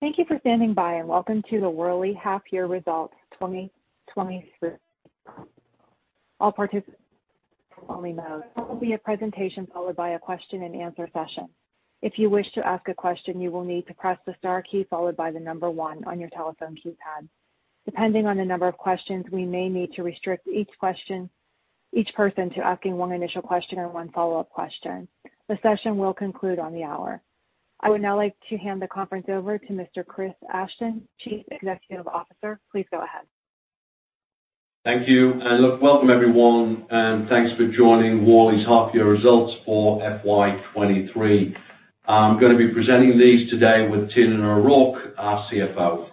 Thank you for standing by. Welcome to the Worley half-year results 2023. We'll proceed with a presentation followed by a question and answer session. If you wish to ask a question, you will need to press the star key followed by the number one on your telephone keypad. Depending on the number of questions, we may need to restrict each question, each person to asking one initial question or one follow-up question. The session will conclude on the hour. I would now like to hand the conference over to Mr. Chris Ashton, Chief Executive Officer. Please go ahead. Thank you. Thank you. Welcome everyone, and thanks for joining Worley's half-year results for FY23. I'm going to be presenting these today with Tiernan O'Rourke, our CFO.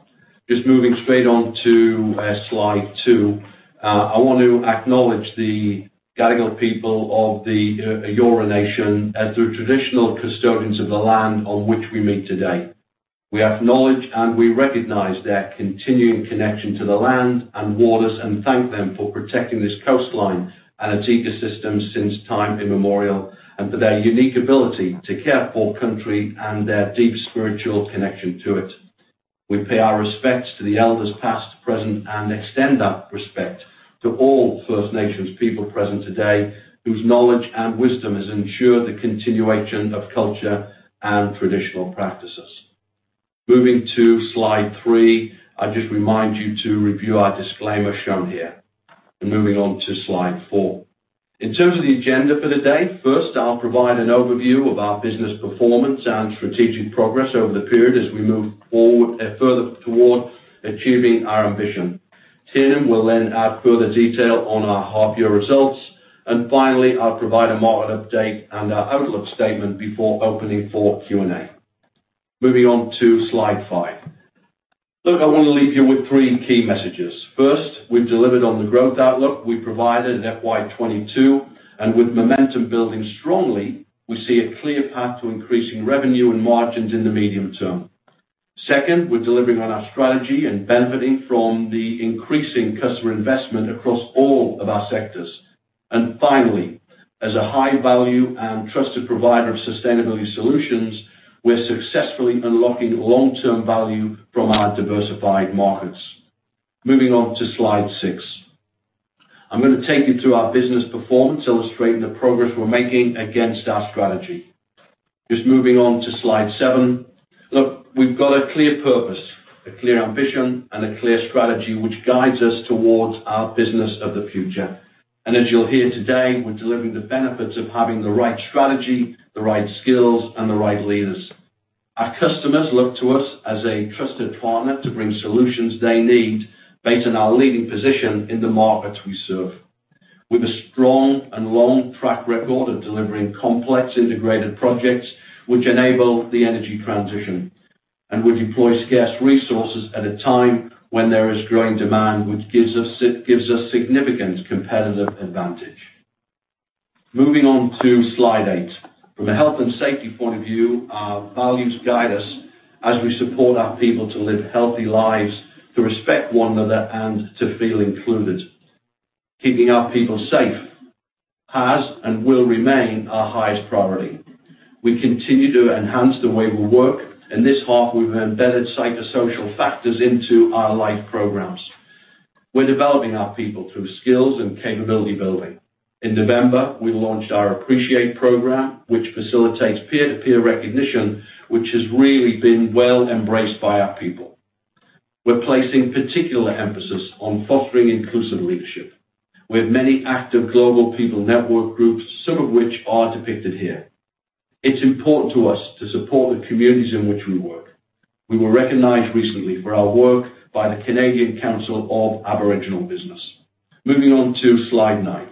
Just moving straight onto slide two. I want to acknowledge the Gadigal people of the Eora Nation as the traditional custodians of the land on which we meet today. We acknowledge and we recognize their continuing connection to the land and waters, and thank them for protecting this coastline and its ecosystems since time immemorial, and for their unique ability to care for country and their deep spiritual connection to it. We pay our respects to the elders past, present, and extend that respect to all First Nations people present today, whose knowledge and wisdom has ensured the continuation of culture and traditional practices. Moving to slide three. I just remind you to review our disclaimer shown here. Moving on to slide four. In terms of the agenda for the day, first, I'll provide an overview of our business performance and strategic progress over the period as we move forward further toward achieving our ambition. Tiernan will then add further detail on our half-year results, and finally, I'll provide a market update and our outlook statement before opening for Q&A. Moving on to slide five. Look, I wanna leave you with three key messages. First, we've delivered on the growth outlook we provided in FY 2022, and with momentum building strongly, we see a clear path to increasing revenue and margins in the medium term. Second, we're delivering on our strategy and benefiting from the increasing customer investment across all of our sectors. Finally, as a high value and trusted provider of sustainability solutions, we're successfully unlocking long-term value from our diversified markets. Moving on to slide six. I'm gonna take you through our business performance, illustrating the progress we're making against our strategy. Just moving on to slide seven. Look, we've got a clear purpose, a clear ambition, and a clear strategy which guides us towards our business of the future. As you'll hear today, we're delivering the benefits of having the right strategy, the right skills, and the right leaders. Our customers look to us as a trusted partner to bring solutions they need based on our leading position in the markets we serve. With a strong and long track record of delivering complex integrated projects which enable the energy transition, and we deploy scarce resources at a time when there is growing demand, which gives us significant competitive advantage. Moving on to slide eight. From a health and safety point of view, our values guide us as we support our people to live healthy lives, to respect one another, and to feel included. Keeping our people safe has and will remain our highest priority. We continue to enhance the way we work. In this half, we've embedded psychosocial factors into our life programs. We're developing our people through skills and capability building. In November, we launched our Appreciate program, which facilitates peer-to-peer recognition, which has really been well embraced by our people. We're placing particular emphasis on fostering inclusive leadership. We have many active global people network groups, some of which are depicted here. It's important to us to support the communities in which we work. We were recognized recently for our work by the Canadian Council for Aboriginal Business. Moving on to slide nine.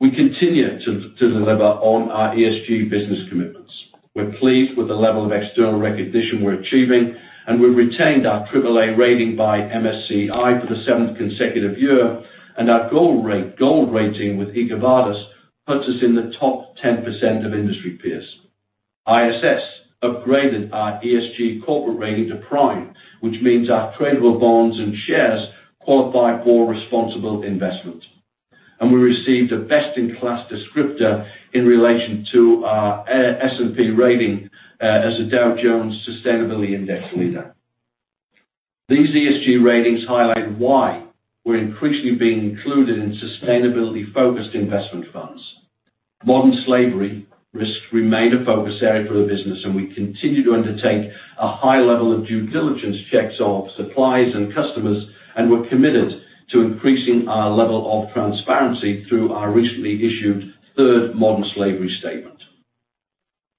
We continue to deliver on our ESG business commitments. We're pleased with the level of external recognition we're achieving, and we retained our AAA rating by MSCI for the 7th consecutive year, and our gold rating with EcoVadis puts us in the top 10% of industry peers. ISS upgraded our ESG corporate rating to prime, which means our tradable bonds and shares qualify for responsible investment. We received a best-in-class descriptor in relation to our S&P rating as a Dow Jones Sustainability Index leader. These ESG ratings highlight why we're increasingly being included in sustainability-focused investment funds. Modern slavery risks remain a focus area for the business, and we continue to undertake a high level of due diligence checks of suppliers and customers, and we're committed to increasing our level of transparency through our recently issued third Modern Slavery Statement.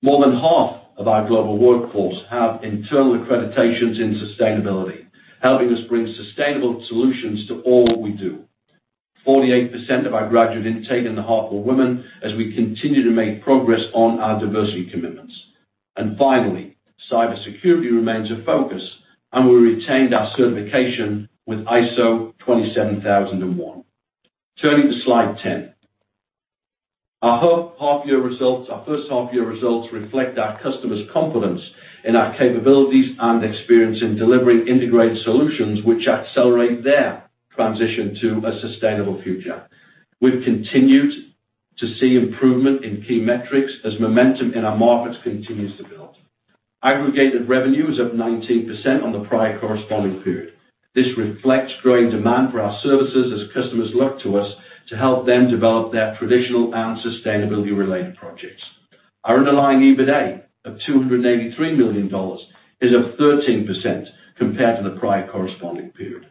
More than half of our global workforce have internal accreditations in sustainability, helping us bring sustainable solutions to all we do. 48% of our graduate intake in the half were women, as we continue to make progress on our diversity commitments. Finally, cybersecurity remains a focus, and we retained our certification with ISO 27001. Turning to slide 10. Our half-year results, our first half-year results reflect our customers' confidence in our capabilities and experience in delivering integrated solutions which accelerate their transition to a sustainable future. We've continued to see improvement in key metrics as momentum in our markets continues to build. Aggregated revenue is up 19% on the prior corresponding period. This reflects growing demand for our services as customers look to us to help them develop their traditional and sustainability related projects. Our underlying EBITA of 283 million dollars is up 13% compared to the prior corresponding period.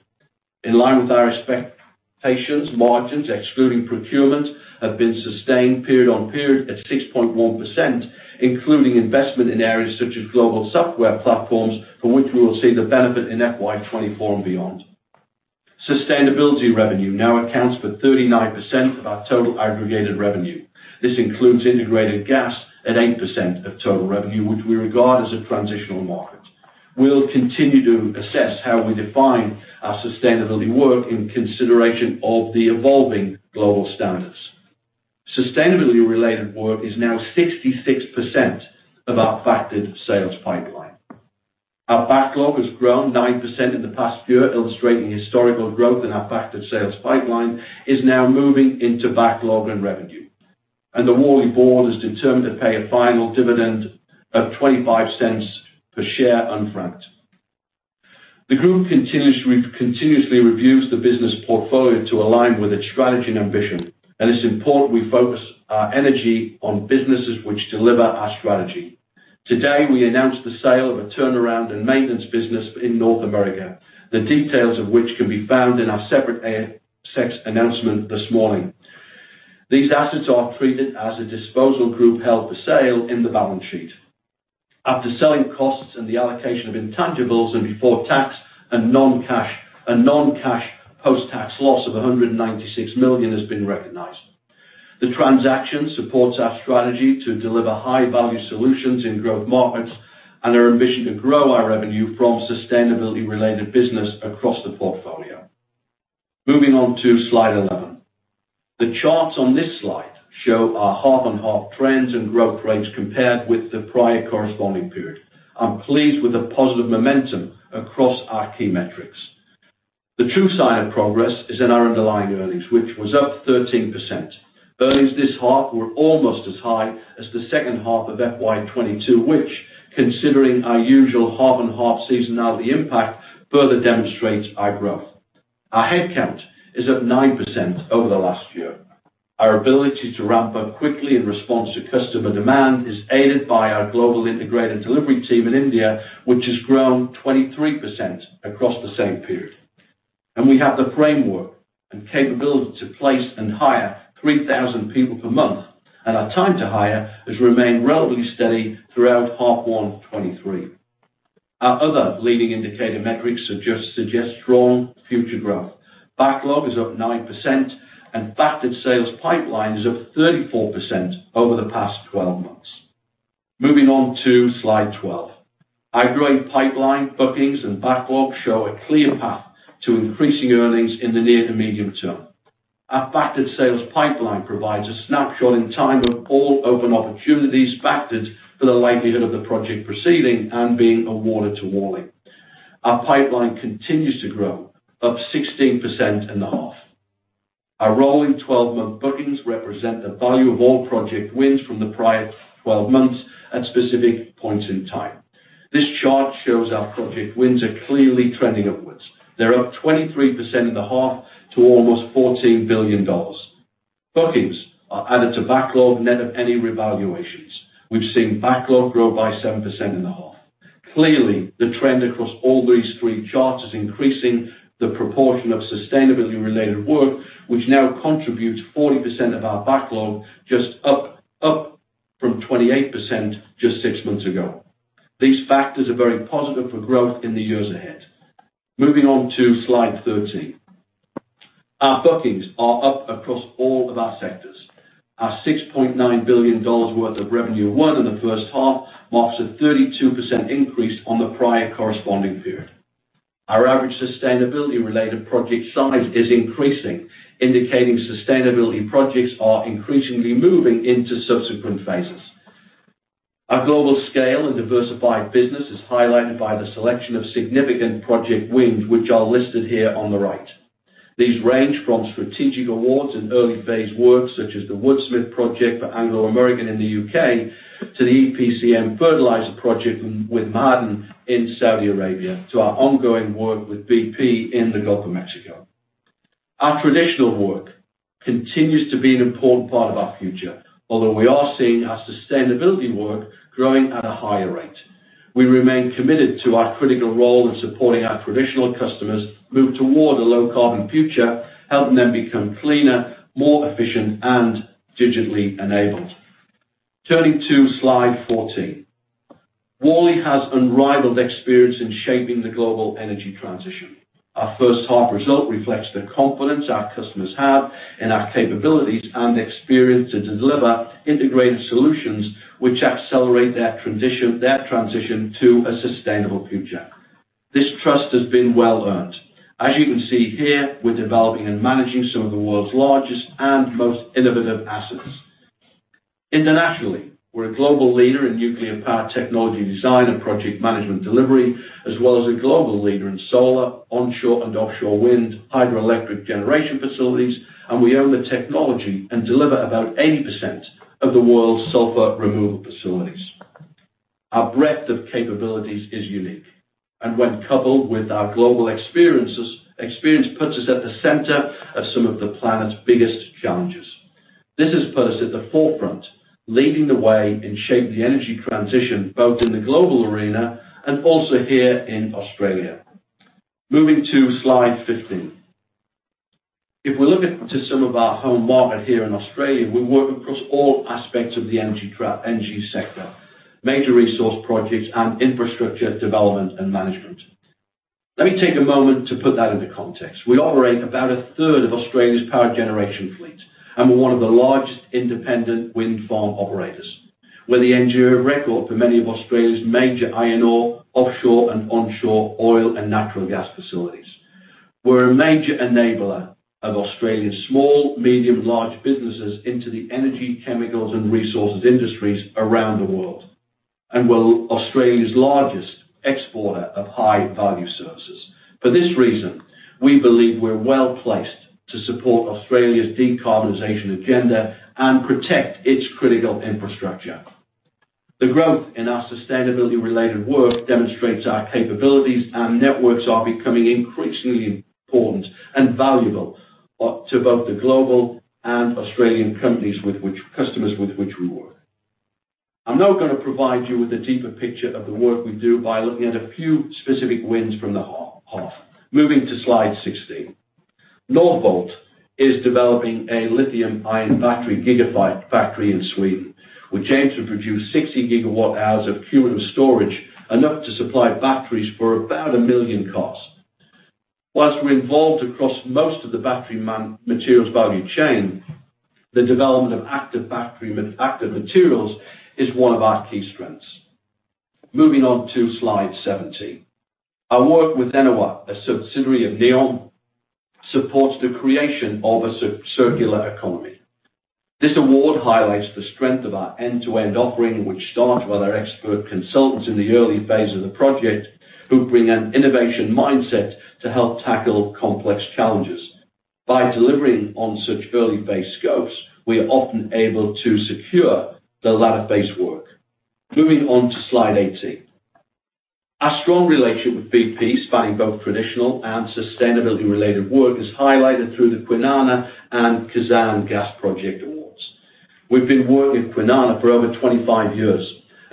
In line with our expectations, margins excluding procurement have been sustained period on period at 6.1%, including investment in areas such as global software platforms, from which we will see the benefit in FY 2024 and beyond. Sustainability revenue now accounts for 39% of our total Aggregated revenue. This includes integrated gas at 8% of total revenue, which we regard as a transitional market. We'll continue to assess how we define our sustainability work in consideration of the evolving global standards. Sustainability related work is now 66% of our factored sales pipeline. Our backlog has grown 9% in the past year, illustrating historical growth in our factored sales pipeline is now moving into backlog and revenue. The Worley board is determined to pay a final dividend of 0.25 per share, unfranked. The group continuously reviews the business portfolio to align with its strategy and ambition, and it's important we focus our energy on businesses which deliver our strategy. Today, we announced the sale of a turnaround and maintenance business in North America, the details of which can be found in our separate ASX announcement this morning. These assets are treated as a disposal group held for sale in the balance sheet. After selling costs and the allocation of intangibles and before tax, a non-cash post-tax loss of 196 million has been recognized. The transaction supports our strategy to deliver high-value solutions in growth markets and our ambition to grow our revenue from sustainability related business across the portfolio. Moving on to slide 11. The charts on this slide show our half-on-half trends and growth rates compared with the prior corresponding period. I'm pleased with the positive momentum across our key metrics. The true sign of progress is in our underlying earnings, which was up 13%. Earnings this half were almost as high as the second half of FY 2022, which, considering our usual half-and-half seasonality impact, further demonstrates our growth. Our headcount is up 9% over the last year. Our ability to ramp up quickly in response to customer demand is aided by our Global Integrated Delivery team in India, which has grown 23% across the same period. We have the framework and capability to place and hire 3,000 people per month, and our time to hire has remained relatively steady throughout half 1, 2023. Our other leading indicator metrics suggest strong future growth. Backlog is up 9% and factored sales pipeline is up 34% over the past 12 months. Moving on to slide 12. Aggregated pipeline bookings and backlog show a clear path to increasing earnings in the near to medium term. Our factored sales pipeline provides a snapshot in time of all open opportunities factored for the likelihood of the project proceeding and being awarded to Worley. Our pipeline continues to grow, up 16% in the half. Our rolling 12-month bookings represent the value of all project wins from the prior 12 months at specific points in time. This chart shows our project wins are clearly trending upwards. They're up 23% in the half to almost 14 billion dollars. Bookings are added to backlog net of any revaluations. We've seen backlog grow by 7% in the half. Clearly, the trend across all these three charts is increasing the proportion of sustainability related work, which now contributes 40% of our backlog, just up from 28% just 6 months ago. These factors are very positive for growth in the years ahead. Moving on to slide 13. Our bookings are up across all of our sectors. Our 6.9 billion dollars worth of revenue won in the first half marks a 32% increase on the prior corresponding period. Our average sustainability related project size is increasing, indicating sustainability projects are increasingly moving into subsequent phases. Our global scale and diversified business is highlighted by the selection of significant project wins, which are listed here on the right. These range from strategic awards and early phase work, such as the Woodsmith project for Anglo American in the UK, to the EPCM Fertilizer project with Ma'aden in Saudi Arabia, to our ongoing work with BP in the Gulf of Mexico. Our traditional work continues to be an important part of our future, although we are seeing our sustainability work growing at a higher rate. We remain committed to our critical role in supporting our traditional customers move toward a low carbon future, helping them become cleaner, more efficient, and digitally enabled. Turning to slide 14. Worley has unrivaled experience in shaping the global energy transition. Our first half result reflects the confidence our customers have in our capabilities and experience to deliver integrated solutions which accelerate their transition, their transition to a sustainable future. This trust has been well earned. As you can see here, we're developing and managing some of the world's largest and most innovative assets. Internationally, we're a global leader in nuclear power technology design and project management delivery, as well as a global leader in solar, onshore and offshore wind, hydroelectric generation facilities, and we own the technology and deliver about 80% of the world's sulfur removal facilities. Our breadth of capabilities is unique, and when coupled with our global experiences, experience puts us at the center of some of the planet's biggest challenges. This has put us at the forefront, leading the way and shape the energy transition, both in the global arena and also here in Australia. Moving to slide 15. If we look at to some of our home market here in Australia, we work across all aspects of the energy sector, major resource projects, and infrastructure development and management. Let me take a moment to put that into context. We operate about a third of Australia's power generation fleet, and we're one of the largest independent wind farm operators. We're the engineer of record for many of Australia's major iron ore, offshore and onshore oil and natural gas facilities. We're a major enabler of Australia's small, medium, large businesses into the energy, chemicals, and resources industries around the world, and we're Australia's largest exporter of high-value services. For this reason, we believe we're well-placed to support Australia's decarbonization agenda and protect its critical infrastructure. The growth in our sustainability-related work demonstrates our capabilities and networks are becoming increasingly important and valuable to both the global and Australian customers with which we work. I'm now gonna provide you with a deeper picture of the work we do by looking at a few specific wins from the half. Moving to slide 16. Northvolt is developing a lithium-ion factory in Sweden, which aims to produce 60 gigawatt-hours of cumulative storage, enough to supply batteries for about 1 million cars. While we're involved across most of the battery materials value chain, the development of active materials is one of our key strengths. Moving on to slide 17. Our work with Enowa, a subsidiary of NEOM, supports the creation of a circular economy. This award highlights the strength of our end-to-end offering, which starts with our expert consultants in the early phase of the project, who bring an innovation mindset to help tackle complex challenges. By delivering on such early-phase scopes, we are often able to secure the latter phase work. Moving on to slide 18. Our strong relationship with BP, spanning both traditional and sustainability-related work, is highlighted through the Kwinana and Qatargas project awards. We've been working with Kwinana for over 25 years,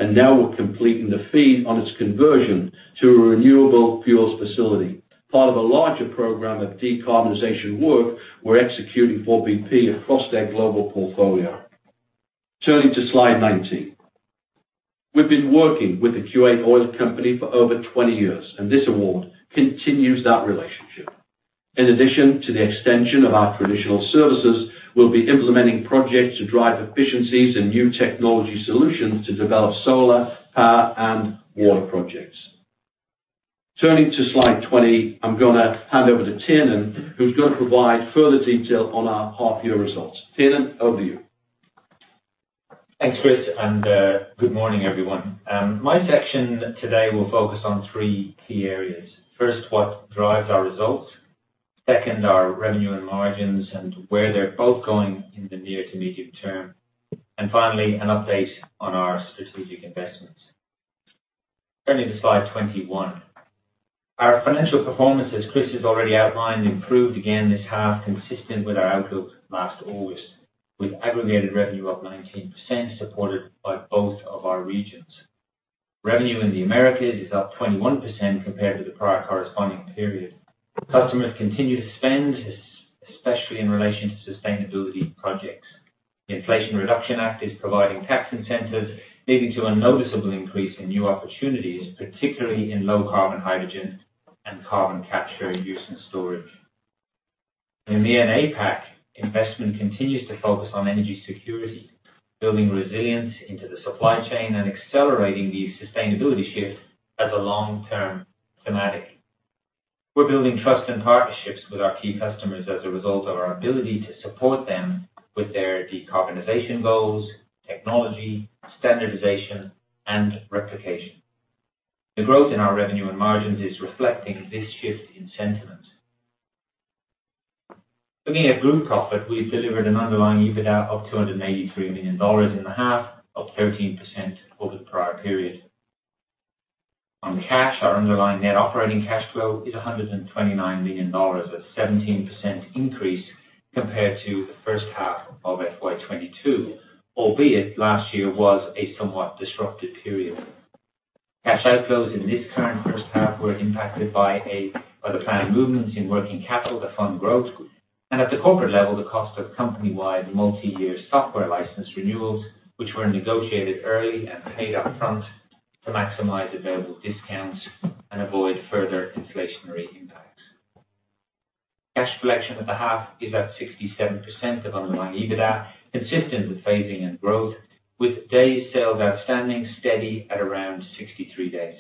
now we're completing the feed on its conversion to a renewable fuels facility. Part of a larger program of decarbonization work we're executing for BP across their global portfolio. Turning to slide 19. We've been working with the QA Oil company for over 20 years, this award continues that relationship. In addition to the extension of our traditional services, we'll be implementing projects to drive efficiencies and new technology solutions to develop solar, power, and water projects. Turning to slide 20, I'm gonna hand over to Tiernan, who's gonna provide further detail on our half year results. Tiernan, over to you. Thanks, Chris, and good morning, everyone. My section today will focus on three key areas. First, what drives our results. Second, our revenue and margins and where they're both going in the near to medium term. Finally, an update on our strategic investments. Turning to slide 1. Our financial performance, as Chris has already outlined, improved again this half consistent with our outlook last August, with aggregated revenue up 19% supported by both of our regions. Revenue in the Americas is up 21% compared to the prior corresponding period. Customers continue to spend especially in relation to sustainability projects. The Inflation Reduction Act is providing tax incentives, leading to a noticeable increase in new opportunities, particularly in low carbon, hydrogen and carbon capture, use and storage. In the APAC, investment continues to focus on energy security, building resilience into the supply chain and accelerating the sustainability shift as a long-term thematic. We're building trust and partnerships with our key customers as a result of our ability to support them with their decarbonization goals, technology, standardization, and replication. The growth in our revenue and margins is reflecting this shift in sentiment. Looking at group profit, we've delivered an underlying EBITDA of 283 million dollars in the half, up 13% over the prior period. On cash, our underlying net operating cash flow is 129 million dollars, a 17% increase compared to the first half of FY 2022, albeit last year was a somewhat disruptive period. Cash outflows in this current first half were impacted by the planned movements in working capital to fund growth. At the corporate level, the cost of company-wide multi-year software license renewals, which were negotiated early and paid up front to maximize available discounts and avoid further inflationary impacts. Cash collection at the half is at 67% of underlying EBITDA, consistent with phasing and growth, with Days Sales Outstanding steady at around 63 days.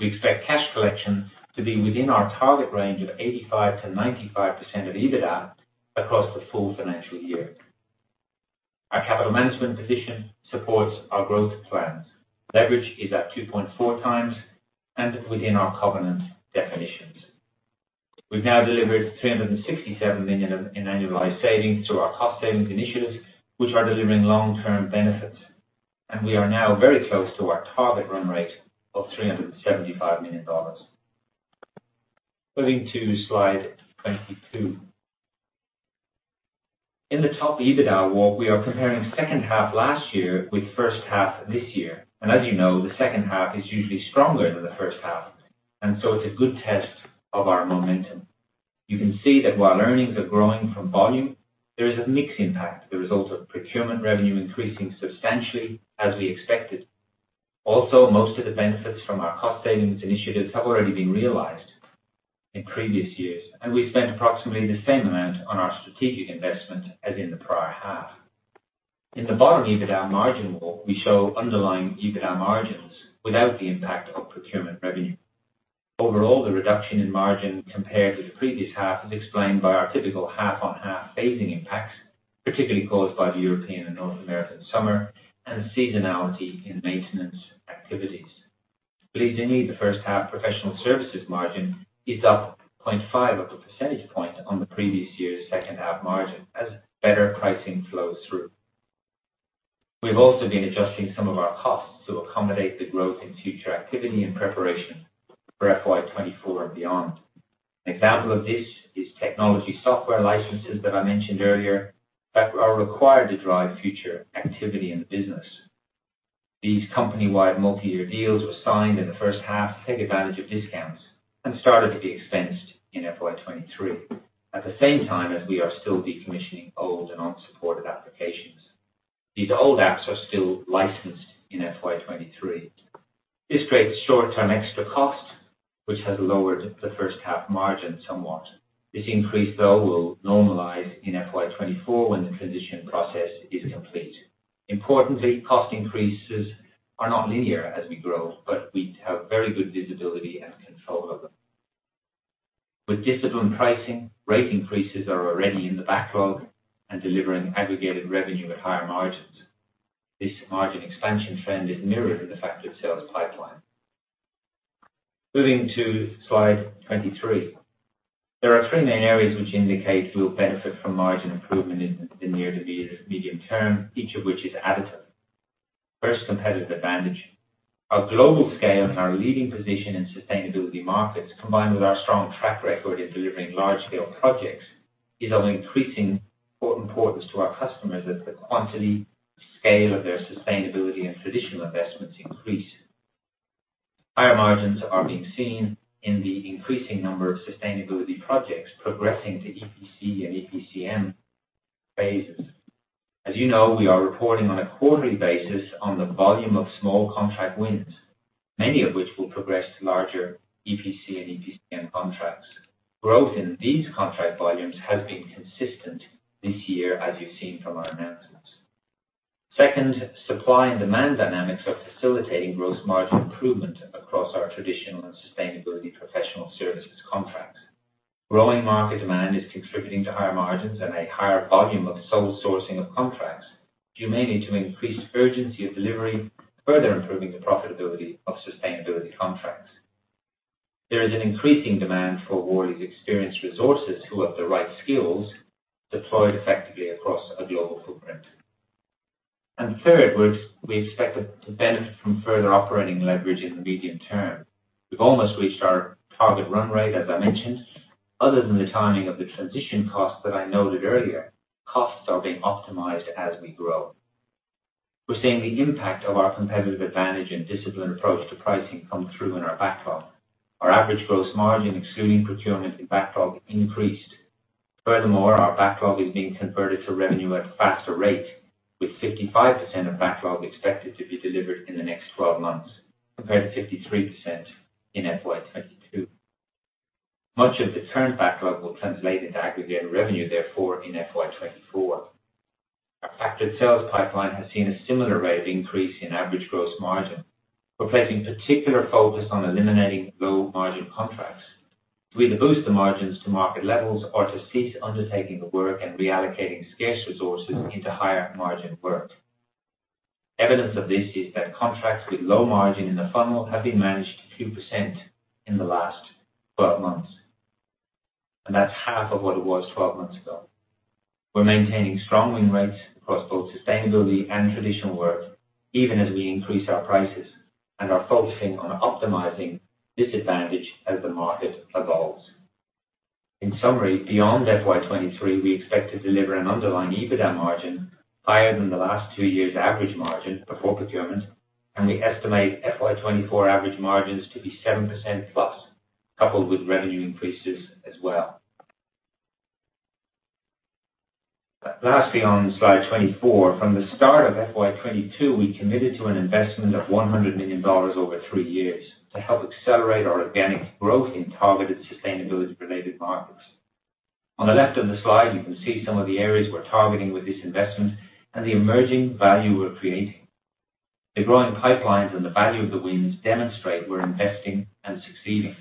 We expect cash collection to be within our target range of 85%-95% of EBITDA across the full financial year. Our capital management position supports our growth plans. Leverage is at two point four times and within our covenant definitions. We've now delivered 367 million in annualized savings through our cost savings initiatives, which are delivering long-term benefits, and we are now very close to our target run rate of 375 million dollars. Moving to slide 22. In the top EBITDA walk, we are comparing second half last year with first half this year. As you know, the second half is usually stronger than the first half. It's a good test of our momentum. You can see that while earnings are growing from volume, there is a mixed impact as a result of procurement revenue increasing substantially as we expected. Most of the benefits from our cost savings initiatives have already been realized in previous years. We spent approximately the same amount on our strategic investment as in the prior half. In the bottom EBITDA margin walk, we show underlying EBITDA margins without the impact of procurement revenue. The reduction in margin compared to the previous half is explained by our typical half-on-half phasing impacts, particularly caused by the European and North American summer and seasonality in maintenance activities. Pleased to note the first half professional services margin is up 0.5 of a percentage point on the previous year's second half margin as better pricing flows through. We've also been adjusting some of our costs to accommodate the growth in future activity in preparation for FY 2024 and beyond. An example of this is technology software licenses that I mentioned earlier that are required to drive future activity in the business. These company-wide multi-year deals were signed in the first half to take advantage of discounts and started to be expensed in FY 2023. At the same time as we are still decommissioning old and unsupported applications. These old apps are still licensed in FY 2023. This creates short-term extra cost, which has lowered the first half margin somewhat. This increase, though, will normalize in FY 2024 when the transition process is complete. Importantly, cost increases are not linear as we grow, but we have very good visibility and control over them. With disciplined pricing, rate increases are already in the backlog and delivering aggregated revenue at higher margins. This margin expansion trend is mirrored in the factored sales pipeline. Moving to slide 23. There are three main areas which indicate we'll benefit from margin improvement in the near to medium term, each of which is additive. First, competitive advantage. Our global scale and our leading position in sustainability markets, combined with our strong track record in delivering large-scale projects, is of increasing importance to our customers as the quantity, scale of their sustainability and traditional investments increase. Higher margins are being seen in the increasing number of sustainability projects progressing to EPC and EPCM phases. As you know, we are reporting on a quarterly basis on the volume of small contract wins, many of which will progress to larger EPC and EPCM contracts. Growth in these contract volumes has been consistent this year, as you've seen from our announcements. Second, supply and demand dynamics are facilitating gross margin improvement across our traditional and sustainability professional services contracts. Growing market demand is contributing to higher margins and a higher volume of sole sourcing of contracts due mainly to increased urgency of delivery, further improving the profitability of sustainability contracts. There is an increasing demand for Worley's experienced resources who have the right skills deployed effectively across a global footprint. Third, we expect to benefit from further operating leverage in the medium term. We've almost reached our target run rate, as I mentioned. Other than the timing of the transition costs that I noted earlier, costs are being optimized as we grow. We're seeing the impact of our competitive advantage and disciplined approach to pricing come through in our backlog. Our average gross margin, excluding procurement in backlog, increased. Our backlog is being converted to revenue at a faster rate, with 55% of backlog expected to be delivered in the next 12 months, compared to 53% in FY 2022. Much of the current backlog will translate into aggregated revenue, therefore, in FY 2024. Our factored sales pipeline has seen a similar rate of increase in average gross margin. We're placing particular focus on eliminating low-margin contracts. We either boost the margins to market levels or to cease undertaking the work and reallocating scarce resources into higher margin work. Evidence of this is that contracts with low margin in the funnel have been managed to 2% in the last 12 months. That's half of what it was 12 months ago. We're maintaining strong win rates across both sustainability and traditional work, even as we increase our prices, and are focusing on optimizing this advantage as the market evolves. In summary, beyond FY 2023, we expect to deliver an underlying EBITDA margin higher than the last two years' average margin before procurement, we estimate FY 2024 average margins to be 7%+, coupled with revenue increases as well. Lastly, on slide 24, from the start of FY 2022, we committed to an investment of $100 million over three years to help accelerate our organic growth in targeted sustainability-related markets. On the left of the slide, you can see some of the areas we're targeting with this investment and the emerging value we're creating. The growing pipelines and the value of the wins demonstrate we're investing and succeeding.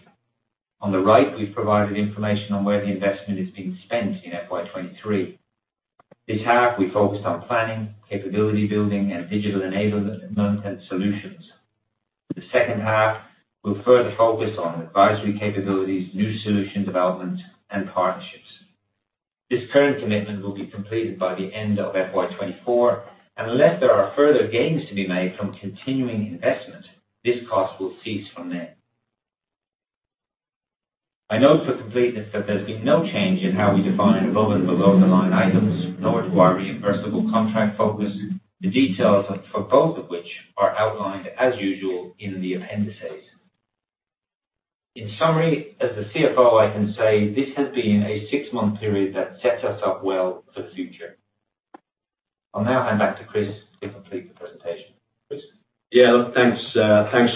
On the right, we've provided information on where the investment is being spent in FY 2023. This half, we focused on planning, capability building, and digital enablement solutions. The second half will further focus on advisory capabilities, new solution development, and partnerships. This current commitment will be completed by the end of FY 2024, unless there are further gains to be made from continuing investment, this cost will cease from then. I note for completeness that there's been no change in how we define above and below the line items, nor to our reimbursable contract focus, the details of, for both of which are outlined as usual in the appendices. In summary, as the CFO, I can say this has been a six-month period that sets us up well for the future. I'll now hand back to Chris to complete the presentation. Chris? Yeah, thanks,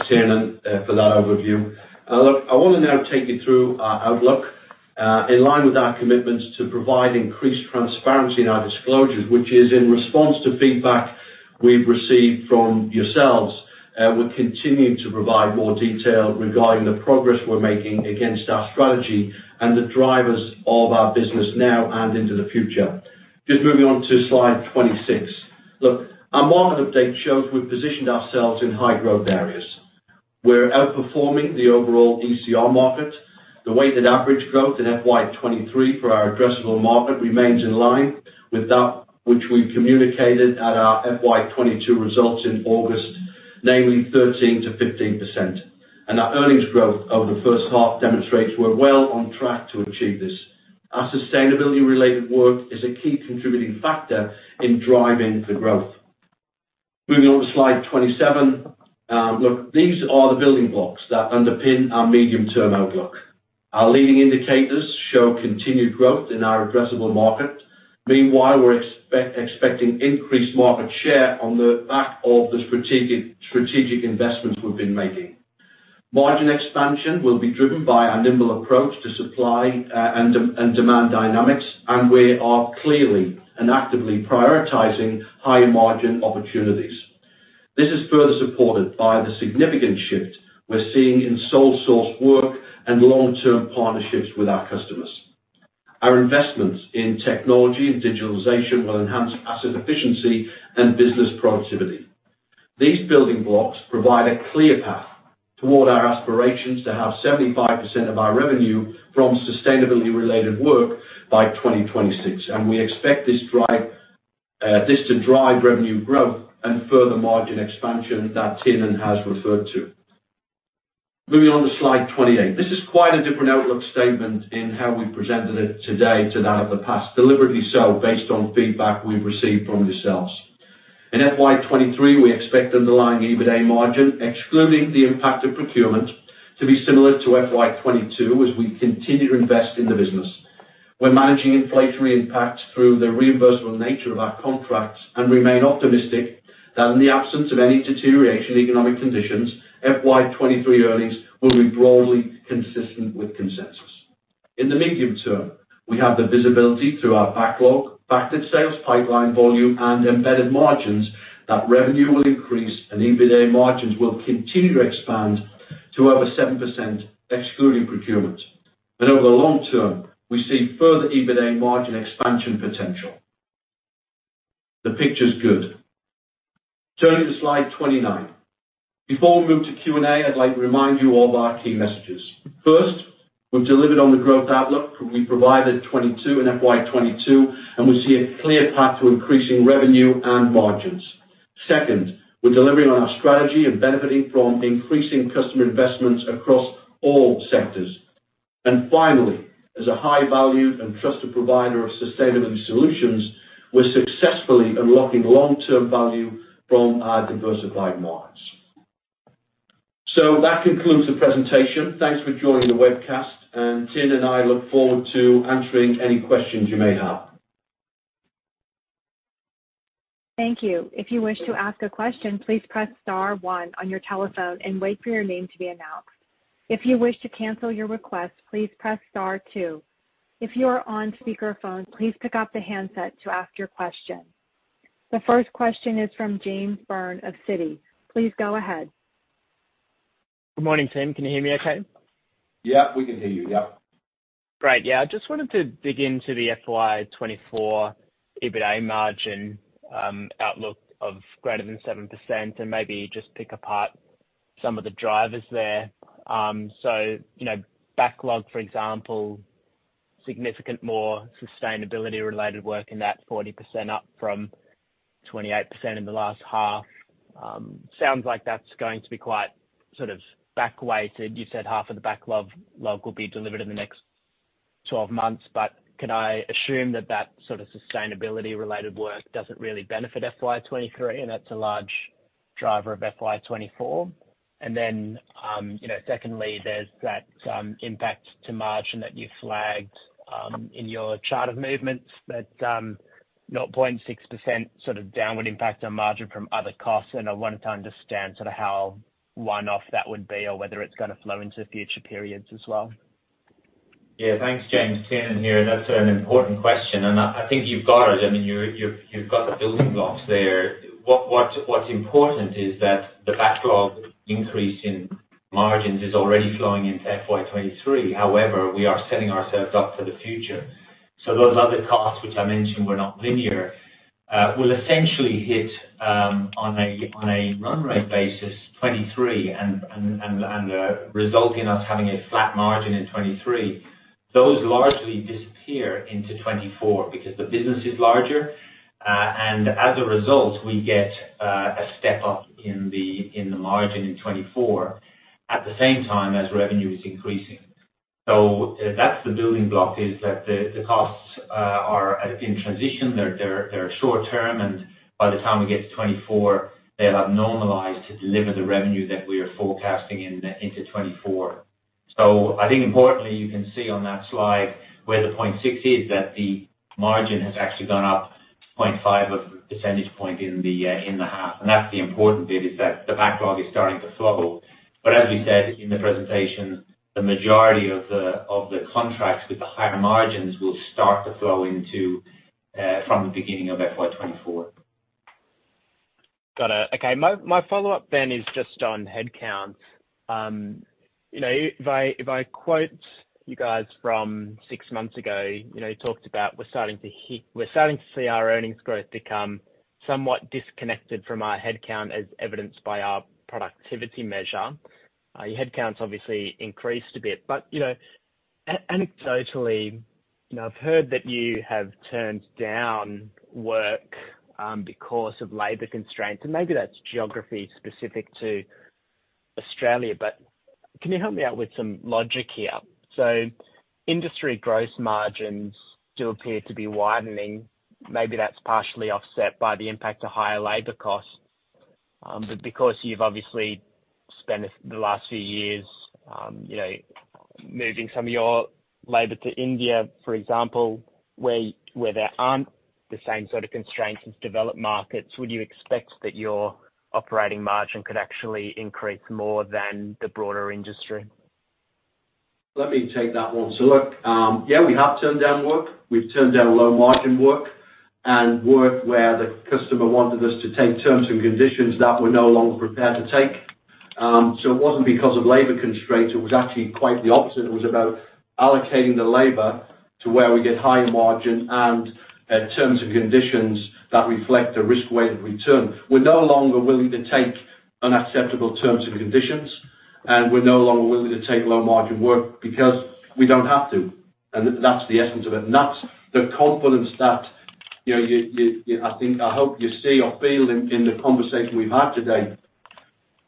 Tiernan, for that overview. I wanna now take you through our outlook, in line with our commitments to provide increased transparency in our disclosures, which is in response to feedback we've received from yourselves. We continue to provide more detail regarding the progress we're making against our strategy and the drivers of our business now and into the future. Just moving on to slide 26. Look, our market update shows we've positioned ourselves in high-growth areas. We're outperforming the overall ECR market. The weighted average growth in FY 2023 for our addressable market remains in line with that which we communicated at our FY 2022 results in August, namely 13%-15%. Our earnings growth over the first half demonstrates we're well on track to achieve this. Our sustainability-related work is a key contributing factor in driving the growth. Moving on to slide 27. Look, these are the building blocks that underpin our medium-term outlook. Our leading indicators show continued growth in our addressable market. Meanwhile, we're expecting increased market share on the back of the strategic investments we've been making. Margin expansion will be driven by our nimble approach to supply and demand dynamics. We are clearly and actively prioritizing higher margin opportunities. This is further supported by the significant shift we're seeing in sole source work and long-term partnerships with our customers. Our investments in technology and digitalization will enhance asset efficiency and business productivity. These building blocks provide a clear path toward our aspirations to have 75% of our revenue from sustainability-related work by 2026. We expect this to drive revenue growth and further margin expansion that Tiernan has referred to. Moving on to slide 28. This is quite a different outlook statement in how we presented it today to that of the past, deliberately so based on feedback we've received from yourselves. In FY 2023, we expect underlying EBITA margin, excluding the impact of procurement, to be similar to FY 2022 as we continue to invest in the business. We're managing inflationary impacts through the reimbursable nature of our contracts and remain optimistic that in the absence of any deterioration in economic conditions, FY 2023 earnings will be broadly consistent with consensus. In the medium term, we have the visibility through our backlog, backed sales pipeline volume, and embedded margins that revenue will increase and EBITA margins will continue to expand to over 7% excluding procurement. Over the long term, we see further EBITA margin expansion potential. The picture's good. Turning to slide 29. Before we move to Q&A, I'd like to remind you of our key messages. First, we've delivered on the growth outlook we provided 22, in FY 22, and we see a clear path to increasing revenue and margins. Second, we're delivering on our strategy and benefiting from increasing customer investments across all sectors. Finally, as a high value and trusted provider of sustainability solutions, we're successfully unlocking long-term value from our diversified markets. That concludes the presentation. Thanks for joining the webcast, and Tiernan and I look forward to answering any questions you may have. Thank you. If you wish to ask a question, please press star one on your telephone and wait for your name to be announced. If you wish to cancel your request, please press star two. If you are on speakerphone, please pick up the handset to ask your question. The first question is from James Byrne of Citi. Please go ahead. Good morning, team. Can you hear me okay? Yeah, we can hear you. Yep. Great. Yeah, I just wanted to dig into the FY 2024 EBITA margin outlook of greater than 7% and maybe just pick apart some of the drivers there. You know, backlog, for example, significant more sustainability-related work in that 40% up from 28% in the last half. Sounds like that's going to be quite sort of back weighted. You said half of the backlog will be delivered in the next 12 months, can I assume that that sort of sustainability-related work doesn't really benefit FY 2023, and that's a large driver of FY 2024? You know, secondly, there's that impact to margin that you flagged in your chart of movements, but 0.6% sort of downward impact on margin from other costs, and I wanted to understand sort of how one-off that would be or whether it's gonna flow into future periods as well. Thanks, James. Tim here. That's an important question, and I think you've got it. I mean, you've got the building blocks there. What's important is that the backlog increase in margins is already flowing into FY 2023. However, we are setting ourselves up for the future. Those other costs, which I mentioned were not linear, will essentially hit on a run rate basis, 2023, and result in us having a flat margin in 2023. Those largely disappear into 2024 because the business is larger. As a result, we get a step up in the margin in 2024 at the same time as revenue is increasing. That's the building block, is that the costs are in transition. They're short term, and by the time we get to 2024, they'll have normalized to deliver the revenue that we are forecasting into 2024. I think importantly, you can see on that slide where the 0.6 is that the margin has actually gone up 0.5 of a percentage point in the half. That's the important bit, is that the backlog is starting to flow. As we said in the presentation, the majority of the contracts with the higher margins will start to flow into from the beginning of FY 2024. Got it. Okay. My, my follow-up then is just on headcount. You know, if I, if I quote you guys from six months ago, you know, you talked about we're starting to see our earnings growth become somewhat disconnected from our headcount, as evidenced by our productivity measure. Your headcount's obviously increased a bit, but, you know, anecdotally, you know, I've heard that you have turned down work because of labor constraints, and maybe that's geography specific to Australia, but can you help me out with some logic here? Industry gross margins do appear to be widening. Maybe that's partially offset by the impact of higher labor costs. Because you've obviously spent the last few years, you know, moving some of your labor to India, for example, where there aren't the same sort of constraints as developed markets, would you expect that your operating margin could actually increase more than the broader industry? Let me take that one. Look, yeah, we have turned down work. We've turned down low margin work and work where the customer wanted us to take terms and conditions that we're no longer prepared to take. It wasn't because of labor constraints, it was actually quite the opposite. It was about allocating the labor to where we get higher margin and terms and conditions that reflect a risk-weighted return. We're no longer willing to take unacceptable terms and conditions, and we're no longer willing to take low margin work because we don't have to. That's the essence of it. That's the confidence that, you know, you I think, I hope you see or feel in the conversation we've had today,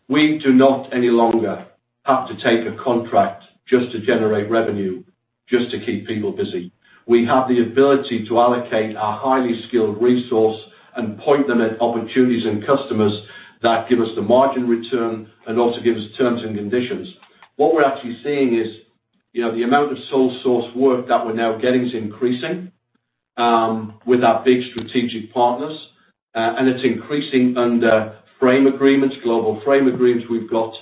we do not any longer have to take a contract just to generate revenue, just to keep people busy. We have the ability to allocate our highly skilled resource and point them at opportunities and customers that give us the margin return and also give us terms and conditions. What we're actually seeing is, you know, the amount of sole-sourced work that we're now getting is increasing with our big strategic partners, and it's increasing under frame agreements, global frame agreements we've got.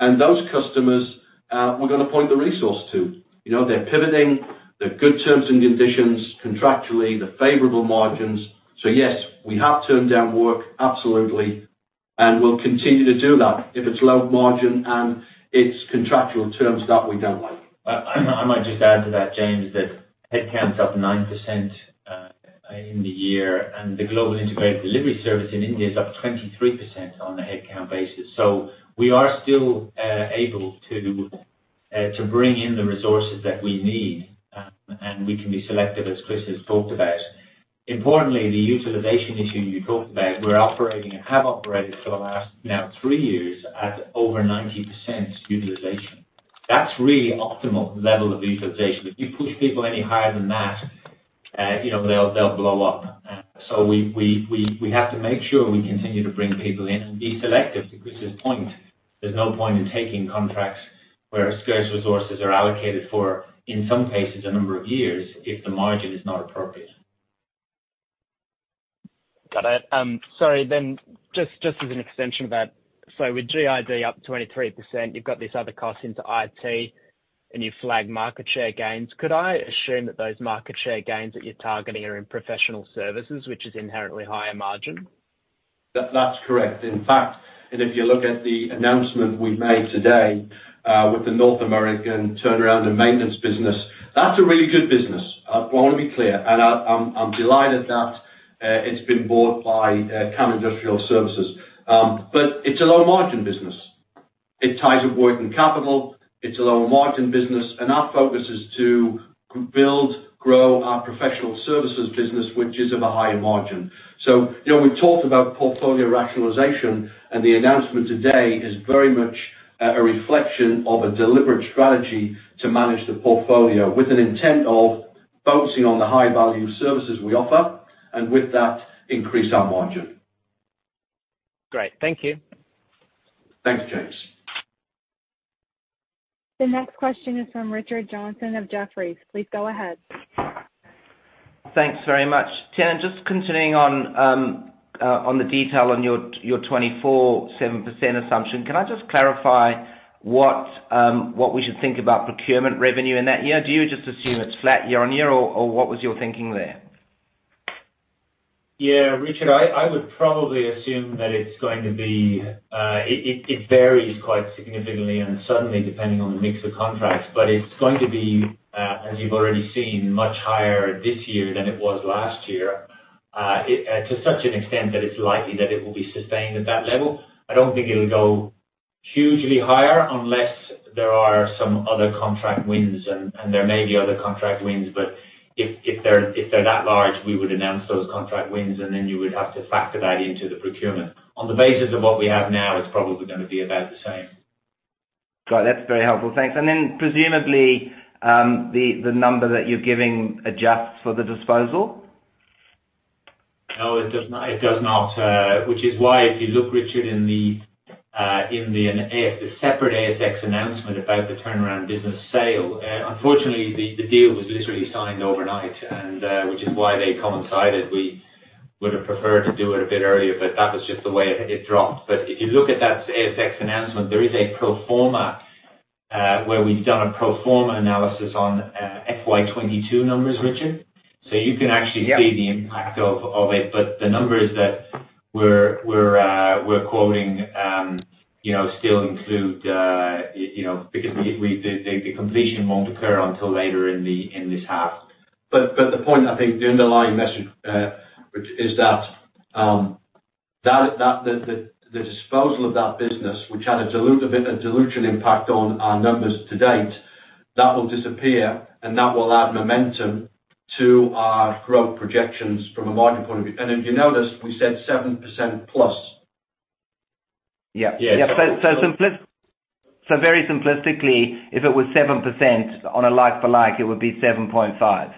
Those customers, we're gonna point the resource to. You know, they're pivoting, they're good terms and conditions contractually, they're favorable margins. Yes, we have turned down work, absolutely, and we'll continue to do that if it's low margin and it's contractual terms that we don't like. I might just add to that, James, that headcount's up 9% in the year, and the Global Integrated Delivery service in India is up 23% on a headcount basis. We are still able to bring in the resources that we need, and we can be selective, as Chris has talked about. Importantly, the utilization issue you talked about, we're operating and have operated for the last now 3 years at over 90% utilization. That's really optimal level of utilization. If you push people any higher than that, you know, they'll blow up. We have to make sure we continue to bring people in and be selective because there's no point in taking contracts where scarce resources are allocated for, in some cases, a number of years if the margin is not appropriate. Got it. Sorry, then just as an extension of that, so with GID up 23%, you've got this other cost into IT, and you flag market share gains. Could I assume that those market share gains that you're targeting are in professional services, which is inherently higher margin? That's correct. In fact, if you look at the announcement we made today, with the North American turnaround and maintenance business, that's a really good business. I wanna be clear, and I'm delighted that it's been bought by CAM Industrial Solutions. It's a low margin business. It ties up working capital, it's a low margin business. Our focus is to build, grow our professional services business, which is of a higher margin. You know, we've talked about portfolio rationalization. The announcement today is very much a reflection of a deliberate strategy to manage the portfolio with an intent of focusing on the high value services we offer, and with that, increase our margin. Great. Thank you. Thanks, James. The next question is from Richard Johnson of Jefferies. Please go ahead. Thanks very much. Tian, just continuing on the detail on your 24/7% assumption. Can I just clarify what we should think about procurement revenue in that year? Do you just assume it's flat year-over-year, or what was your thinking there? Yeah, Richard, I would probably assume that it's going to be. It varies quite significantly and suddenly depending on the mix of contracts. It's going to be, as you've already seen, much higher this year than it was last year, it to such an extent that it's likely that it will be sustained at that level. I don't think it'll go hugely higher unless there are some other contract wins and there may be other contract wins. If they're that large, we would announce those contract wins, and then you would have to factor that into the procurement. On the basis of what we have now, it's probably gonna be about the same. Got it. That's very helpful. Thanks. Presumably, the number that you're giving adjusts for the disposal? No, it does not. It does not. Which is why if you look, Richard, in the separate ASX announcement about the turnaround business sale, unfortunately, the deal was literally signed overnight, which is why they coincided. We would have preferred to do it a bit earlier, that was just the way it dropped. If you look at that ASX announcement, there is a pro forma, where we've done a pro forma analysis on FY 22 numbers, Richard. Yeah. You can actually see the impact of it. The numbers that we're quoting, you know, still include, you know, because the completion won't occur until later in this half. The point, I think the underlying message, which is that the disposal of that business, which had a bit of dilution impact on our numbers to date, that will disappear, and that will add momentum to our growth projections from a margin point of view. If you noticed, we said 7% plus. Yeah. Yeah. So, so simpli- So- Very simplistically, if it was 7% on a like for like, it would be 7.5%.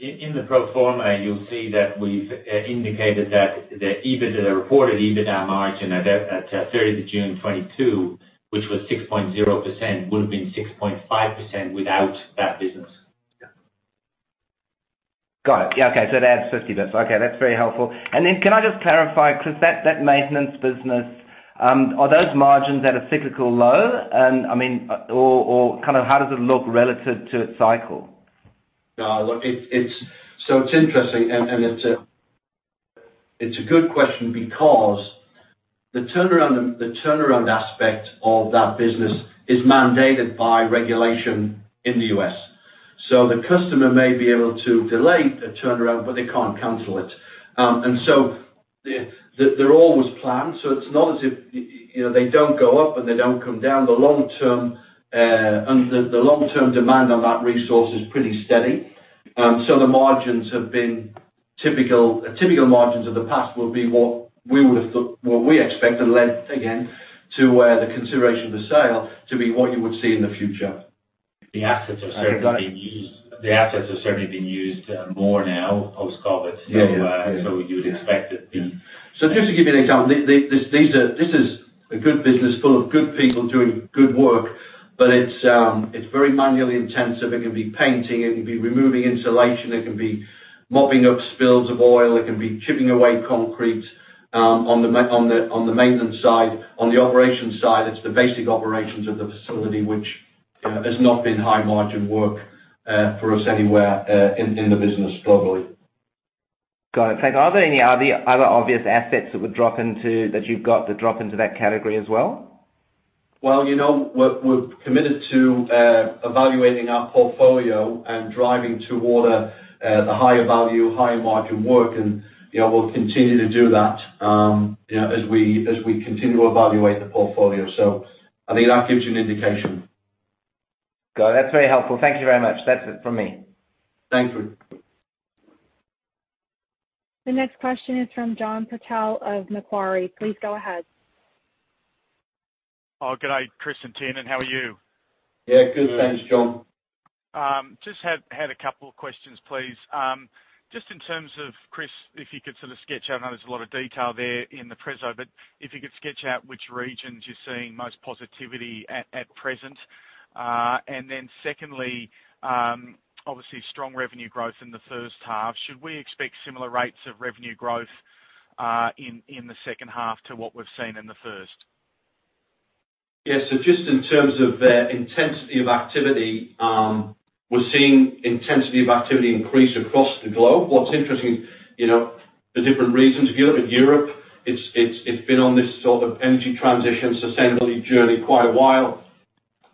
In the pro forma, you'll see that we've indicated that the EBITDA, the reported EBITDA margin at 30 of June 2022, which was 6.0%, would have been 6.5% without that business. Yeah. Got it. Yeah. Okay. It adds 50 basis. Okay. That's very helpful. Can I just clarify, Chris, that maintenance business, are those margins at a cyclical low? I mean, or kind of how does it look relative to its cycle? No. It's interesting and it's a good question because the turnaround, the turnaround aspect of that business is mandated by regulation in the U.S. The customer may be able to delay the turnaround, but they can't cancel it. They're always planned, so it's not as if, you know, they don't go up and they don't come down. The long term, and the long-term demand on that resource is pretty steady. The margins have been typical. Typical margins of the past will be what we expect and led, again, to, the consideration of the sale to be what you would see in the future. The assets have certainly been used. Okay. Got it. The assets have certainly been used more now post-COVID. Yeah. Yeah. so you would expect it to be. Just to give you an example. This is a good business full of good people doing good work, but it's very manually intensive. It can be painting, it can be removing insulation, it can be mopping up spills of oil, it can be chipping away concrete on the maintenance side. On the operations side, it's the basic operations of the facility which has not been high margin work for us anywhere in the business globally. Got it. Thanks. Are there any other obvious assets that you've got to drop into that category as well? Well, you know, we're committed to evaluating our portfolio and driving toward the higher value, higher margin work and, you know, we'll continue to do that, you know, as we continue to evaluate the portfolio. I think that gives you an indication. Got it. That's very helpful. Thank you very much. That's it from me. Thank you. The next question is from John Purtell of Macquarie. Please go ahead. Oh, g'day, Chris and Tian. How are you? Yeah. Good. Good. Thanks, John. Just have had a couple of questions, please. Just in terms of, Chris, if you could sort of sketch out, I know there's a lot of detail there in the preso, but if you could sketch out which regions you're seeing most positivity at present. Secondly, obviously strong revenue growth in the first half. Should we expect similar rates of revenue growth in the second half to what we've seen in the first? Yeah. Just in terms of the intensity of activity, we're seeing intensity of activity increase across the globe. What's interesting, you know, for different reasons, if you look at Europe, it's been on this sort of energy transition sustainability journey quite a while.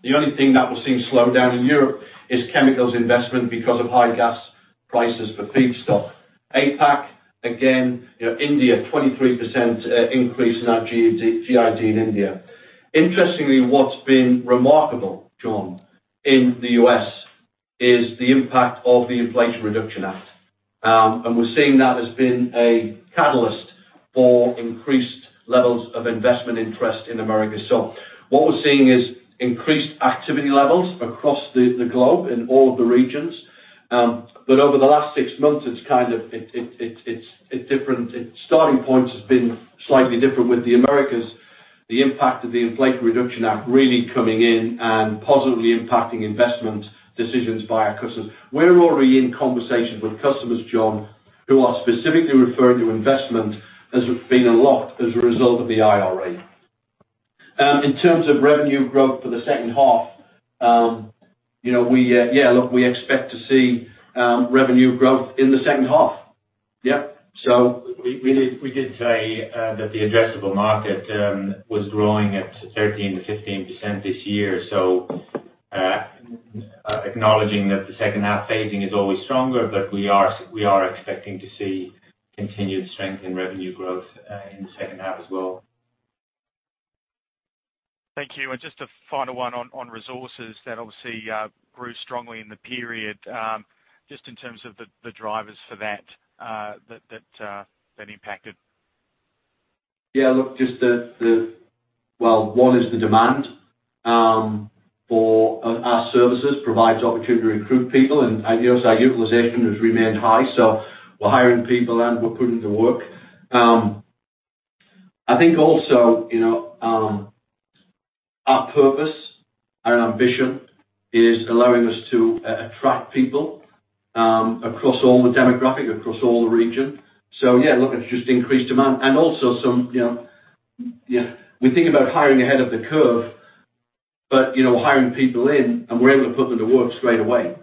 The only thing that we're seeing slow down in Europe is chemicals investment because of high gas prices for feedstock. APAC, again, you know, India, 23% increase in our GID in India. Interestingly, what's been remarkable, John, in the U.S. is the impact of the Inflation Reduction Act. We're seeing that as being a catalyst for increased levels of investment interest in America. What we're seeing is increased activity levels across the globe in all of the regions. Over the last 6 months, it's kind of... It's different. Its starting point has been slightly different with the Americas. The impact of the Inflation Reduction Act really coming in and positively impacting investment decisions by our customers. We're already in conversations with customers, John, who are specifically referring to investment as being a lot as a result of the IRA. In terms of revenue growth for the second half, you know, we, look, we expect to see revenue growth in the second half. We did say that the addressable market was growing at 13%-15% this year. Acknowledging that the second half phasing is always stronger, we are expecting to see continued strength in revenue growth in the second half as well. Thank you. Just a final one on resources that obviously grew strongly in the period, just in terms of the drivers for that that impacted. Yeah, look, Well, one is the demand for our services provides opportunity to recruit people, and you know, so our utilization has remained high, so we're hiring people, and we're putting the work. I think also, you know, our purpose and ambition is allowing us to attract people across all the demographic, across all the region. Yeah, look, it's just increased demand. Also some, you know, yeah, we think about hiring ahead of the curve, but, you know, hiring people in, and we're able to put them to work straight away.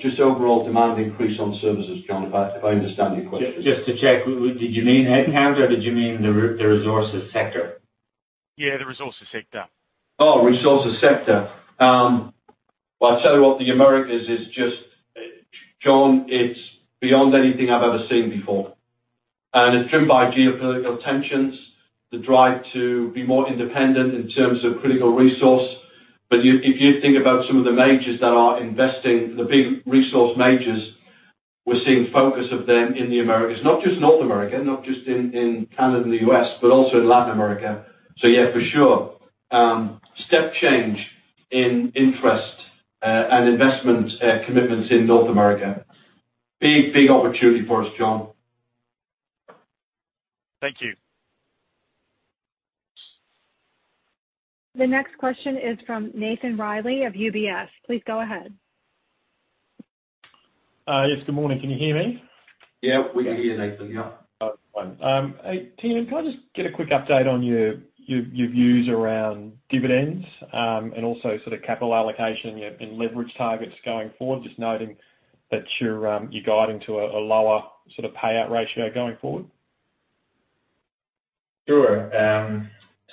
Just overall demand increase on services, John, if I understand your question? Just to check. Did you mean head count or did you mean the resources sector? Yeah, the resources sector. resources sector. Well, I'll tell you what, the Americas is just... John, it's beyond anything I've ever seen before. It's driven by geopolitical tensions, the drive to be more independent in terms of critical resource. If you think about some of the majors that are investing, the big resource majors, we're seeing focus of them in the Americas, not just North America, not just in Canada and the U.S., but also in Latin America. Yeah, for sure, step change in interest and investment commitments in North America. Big, big opportunity for us, John. Thank you. The next question is from Nathan Reilly of UBS. Please go ahead. Yes, good morning. Can you hear me? Yeah, we can hear you, Nathan. Yeah. Fine. Ian, can I just get a quick update on your views around dividends, and also sort of capital allocation and leverage targets going forward, just noting that you're guiding to a lower sort of payout ratio going forward? Sure.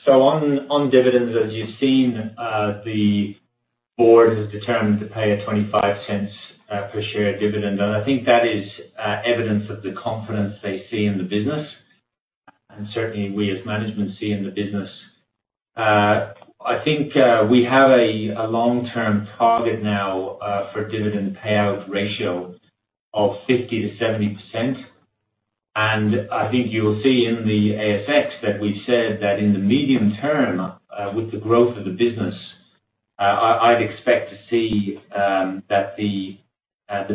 On, on dividends, as you've seen, the board has determined to pay a 0.25 per share dividend. I think that is evidence of the confidence they see in the business, and certainly we as management see in the business. I think we have a long-term target now for dividend payout ratio of 50%-70%. I think you'll see in the ASX that we've said that in the medium term, with the growth of the business, I'd expect to see that the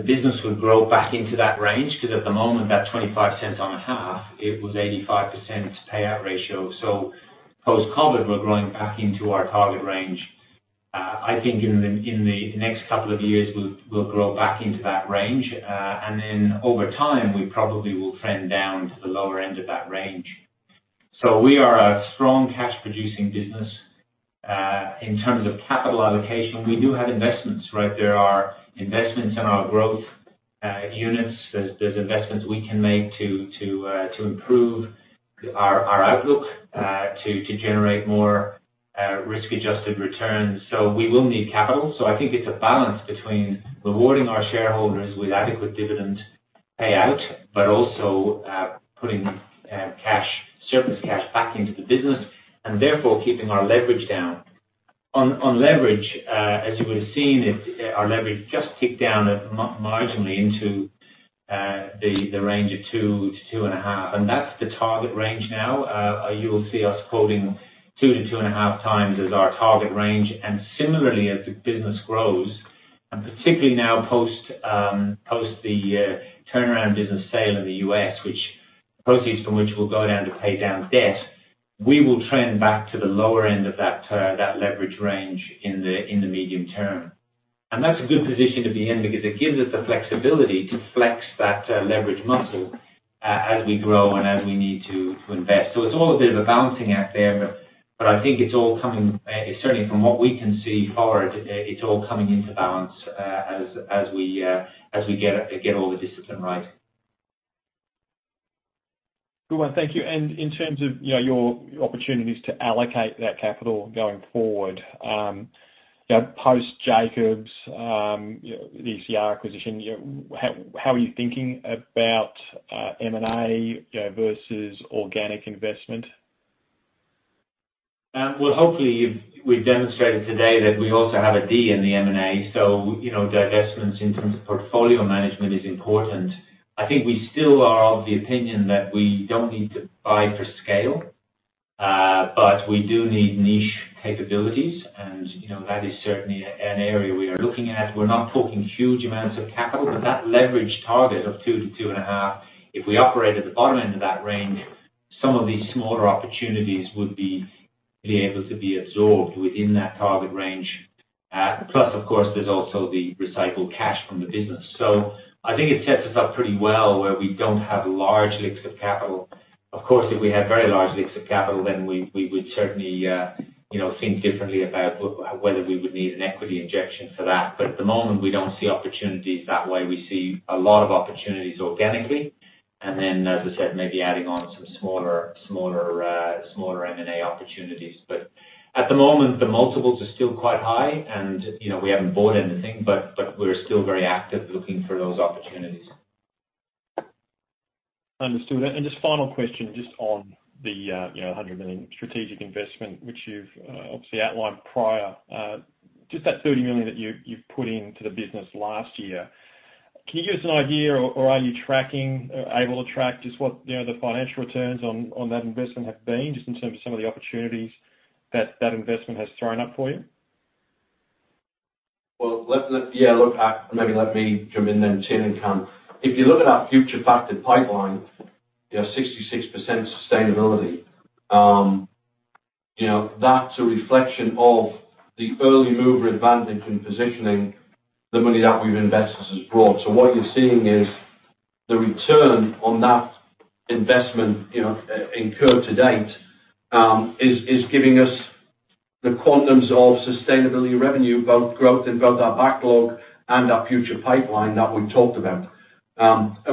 business would grow back into that range, 'cause at the moment, that 0.25 on a half, it was 85% payout ratio. Post-COVID, we're growing back into our target range. I think in the next couple of years, we'll grow back into that range. Over time, we probably will trend down to the lower end of that range. We are a strong cash producing business. In terms of capital allocation, we do have investments, right? There are investments in our growth units. There's investments we can make to improve our outlook to generate more risk-adjusted returns. We will need capital. I think it's a balance between rewarding our shareholders with adequate dividend payout, but also putting cash, surplus cash back into the business and therefore keeping our leverage down. On leverage, as you would have seen, it, our leverage just ticked down marginally into the range of two, two and half. That's the target range now. You'll see us quoting two, two and half as our target range. Similarly, as the business grows, and particularly now post the turnaround business sale in the U.S., which proceeds from which will go down to pay down debt, we will trend back to the lower end of that leverage range in the medium term. That's a good position to be in because it gives us the flexibility to flex that leverage muscle as we grow and as we need to invest. It's all a bit of a balancing act there, but I think it's all coming, certainly from what we can see forward, it's all coming into balance, as we, as we get all the discipline right. Good one. Thank you. In terms of, you know, your opportunities to allocate that capital going forward, you know, post Jacobs, you know, the ECR acquisition, you know, how are you thinking about M&A, you know, versus organic investment? Well, hopefully, we've demonstrated today that we also have a D in the M&A. You know, divestments in terms of portfolio management is important. I think we still are of the opinion that we don't need to buy for scale, but we do need niche capabilities. You know, that is certainly an area we are looking at. We're not talking huge amounts of capital, but that leverage target of 2 to 2.5, if we operate at the bottom end of that range, some of these smaller opportunities would be able to be absorbed within that target range. Plus of course there's also the recycled cash from the business. I think it sets us up pretty well where we don't have large leaks of capital. Of course, if we have very large leaks of capital, then we would certainly, you know, think differently about whether we would need an equity injection for that. At the moment, we don't see opportunities that way. We see a lot of opportunities organically. Then, as I said, maybe adding on some smaller M&A opportunities. At the moment, the multiples are still quite high and, you know, we haven't bought anything, but we're still very active looking for those opportunities. Understood. Just final question, just on the, you know, 100 million strategic investment, which you've obviously outlined prior. Just that 30 million that you've put into the business last year. Can you give us an idea or are you tracking, able to track just what, you know, the financial returns on that investment have been just in terms of some of the opportunities that that investment has thrown up for you? Well, let. Yeah, look, maybe let me jump in then. If you look at our future factored pipeline, you know, 66% sustainability. You know, that's a reflection of the early mover advantage in positioning the money that we've invested has brought. What you're seeing is the return on that investment, you know, incurred to date, is giving us the quantums of sustainability revenue, both growth in both our backlog and our future pipeline that we talked about.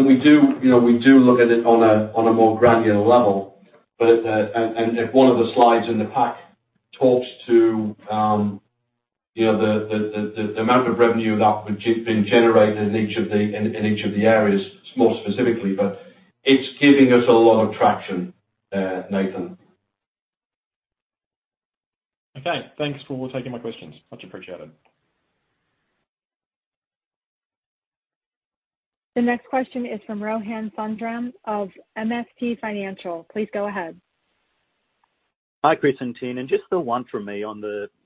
We do, you know, we do look at it on a, on a more granular level. One of the slides in the pack talks to, you know, the amount of revenue that we've been generated in each of the areas more specifically, but it's giving us a lot of traction, Nathan. Okay. Thanks for taking my questions. Much appreciated. The next question is from Rohan Sundram of MST Financial. Please go ahead. Hi, Chris and Tim. Just the one from me.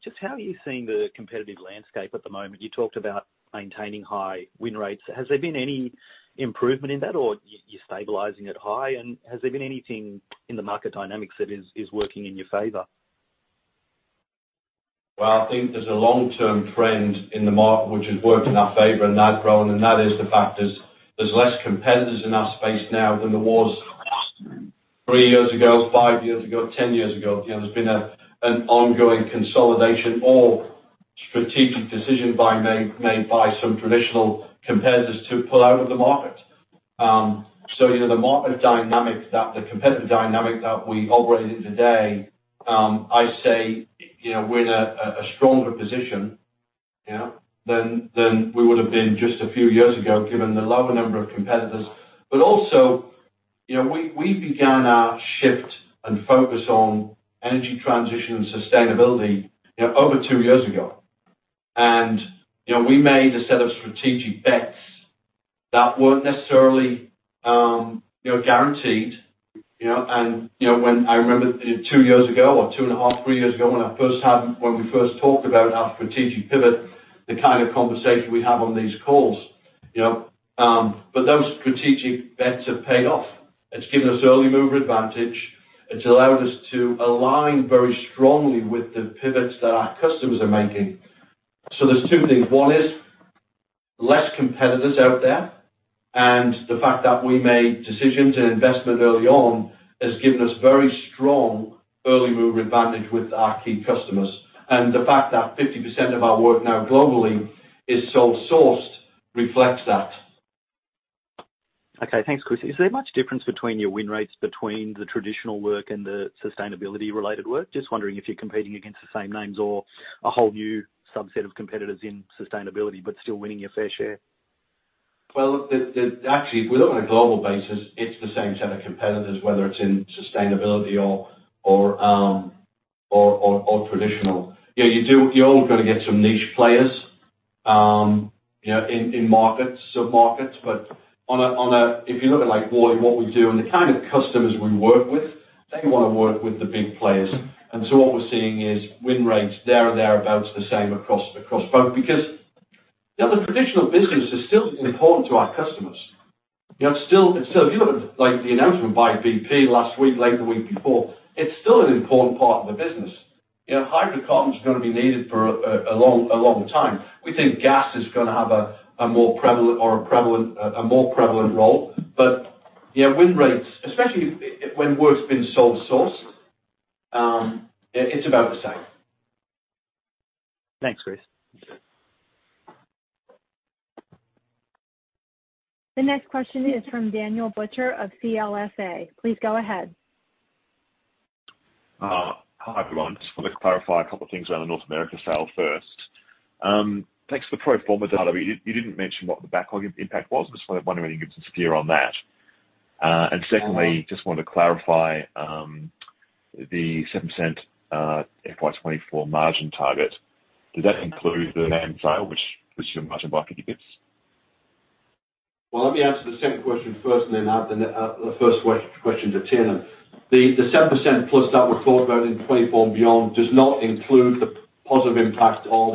Just how are you seeing the competitive landscape at the moment? You talked about maintaining high win rates. Has there been any improvement in that or you stabilizing it high? Has there been anything in the market dynamics that is working in your favor? I think there's a long-term trend in the mark which has worked in our favor, and that grown, and that is the fact is there's less competitors in our space now than there was three years ago, five years ago, 10 years ago. You know, there's been an ongoing consolidation or strategic decision made by some traditional competitors to pull out of the market. You know, the market dynamic that the competitive dynamic that we operate in today, I say, you know, we're in a stronger position, you know, than we would have been just a few years ago, given the lower number of competitors. Also, you know, we began our shift and focus on energy transition and sustainability, you know, over two years ago. You know, we made a set of strategic bets that weren't necessarily, you know, guaranteed, you know. You know, when I remember two years ago, or two and a half, three years ago, when we first talked about our strategic pivot, the kind of conversation we have on these calls, you know. Those strategic bets have paid off. It's given us early mover advantage. It's allowed us to align very strongly with the pivots that our customers are making. There's two things. One is less competitors out there, and the fact that we made decisions and investment early on has given us very strong early mover advantage with our key customers. The fact that 50% of our work now globally is sole-sourced reflects that. Okay. Thanks, Chris. Is there much difference between your win rates between the traditional work and the sustainability related work? Just wondering if you're competing against the same names or a whole new subset of competitors in sustainability, but still winning your fair share. Well, actually, if we look on a global basis, it's the same set of competitors, whether it's in sustainability or traditional. Yeah, you're only gonna get some niche players, you know, in markets, some markets. But if you're looking like, boy, what we do and the kind of customers we work with, they wanna work with the big players. What we're seeing is win rates there or there abouts the same across both. You know, the traditional business is still important to our customers. You know, still, if you look at like the announcement by BP last week, like the week before, it's still an important part of the business. You know, hydrocarbons are gonna be needed for a long, long time. We think gas is gonna have a more prevalent role. Yeah, win rates, especially when work's been sole-sourced, it's about the same. Thanks, Chris. Okay. The next question is from Daniel Butcher of CLSA. Please go ahead. Hi, everyone. Just wanted to clarify a couple of things around the North America sale first. Thanks for the pro forma data. You didn't mention what the backlog impact was. Just wondering if you could give us a steer on that. Secondly, just wanted to clarify, the 7% FY 2024 margin target. Does that include the NAM sale, which your margin bucket gives? Let me answer the second question first and then add the first question to Tim. The 7% plus that we've talked about in 2024 and beyond does not include the positive impact of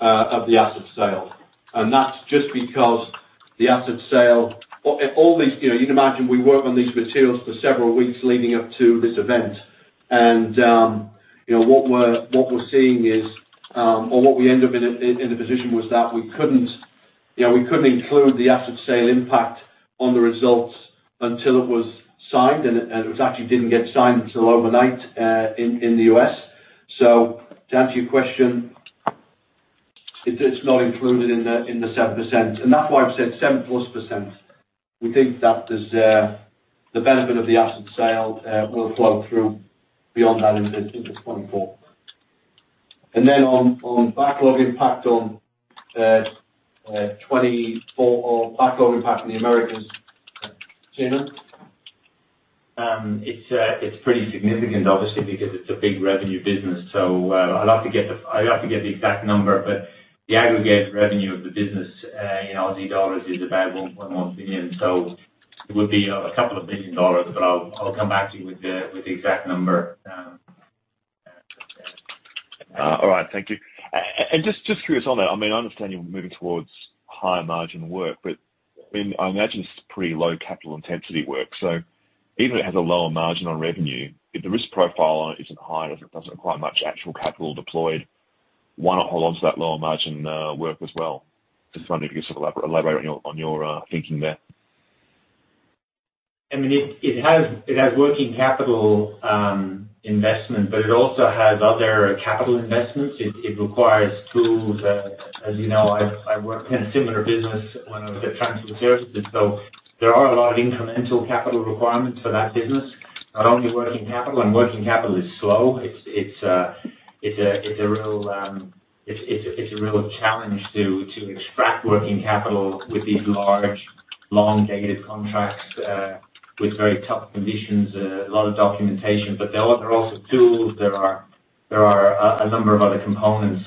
the asset sale. That's just because. The asset sale. All these, you know, you can imagine we work on these materials for several weeks leading up to this event. You know, what we're seeing is, or what we end up in a position was that we couldn't, you know, we couldn't include the asset sale impact on the results until it was signed, and it was actually didn't get signed until overnight in the US. To answer your question, it's not included in the 7%, and that's why I've said 7% plus. We think that is the benefit of the asset sale will flow through beyond that into 2024. Then on backlog impact on 2024 or backlog impact in the Americas, Tieman? It's pretty significant obviously because it's a big revenue business. I'd have to get the, I'd have to get the exact number, but the aggregate revenue of the business in AUD is about 1.1 billion. It would be a couple of billion AUD, but I'll come back to you with the, with the exact number. All right. Thank you. Just curious on that, I mean, I understand you're moving towards higher margin work, but I mean, I imagine it's pretty low capital intensity work. Even if it has a lower margin on revenue, if the risk profile on it isn't high, if it doesn't require much actual capital deployed, why not hold on to that lower margin work as well? Just wondering if you could sort of elaborate on your thinking there. I mean, it has working capital investment, it also has other capital investments. It requires tools. As you know, I've worked in a similar business when I was at Transfield Services, there are a lot of incremental capital requirements for that business. Not only working capital, working capital is slow. It's a real, it's a real challenge to extract working capital with these large, long dated contracts, with very tough conditions, a lot of documentation. There are also tools. There are a number of other components.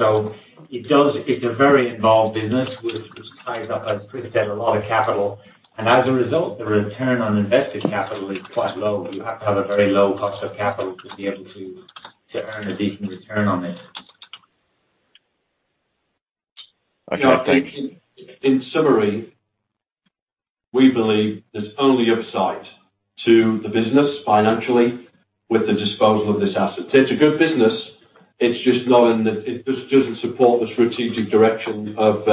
It's a very involved business, which ties up, as Chris said, a lot of capital. As a result, the return on invested capital is quite low. You have to have a very low cost of capital to be able to earn a decent return on this. Okay. You know, I think in summary, we believe there's only upside to the business financially with the disposal of this asset. It's a good business. It just doesn't support the strategic direction of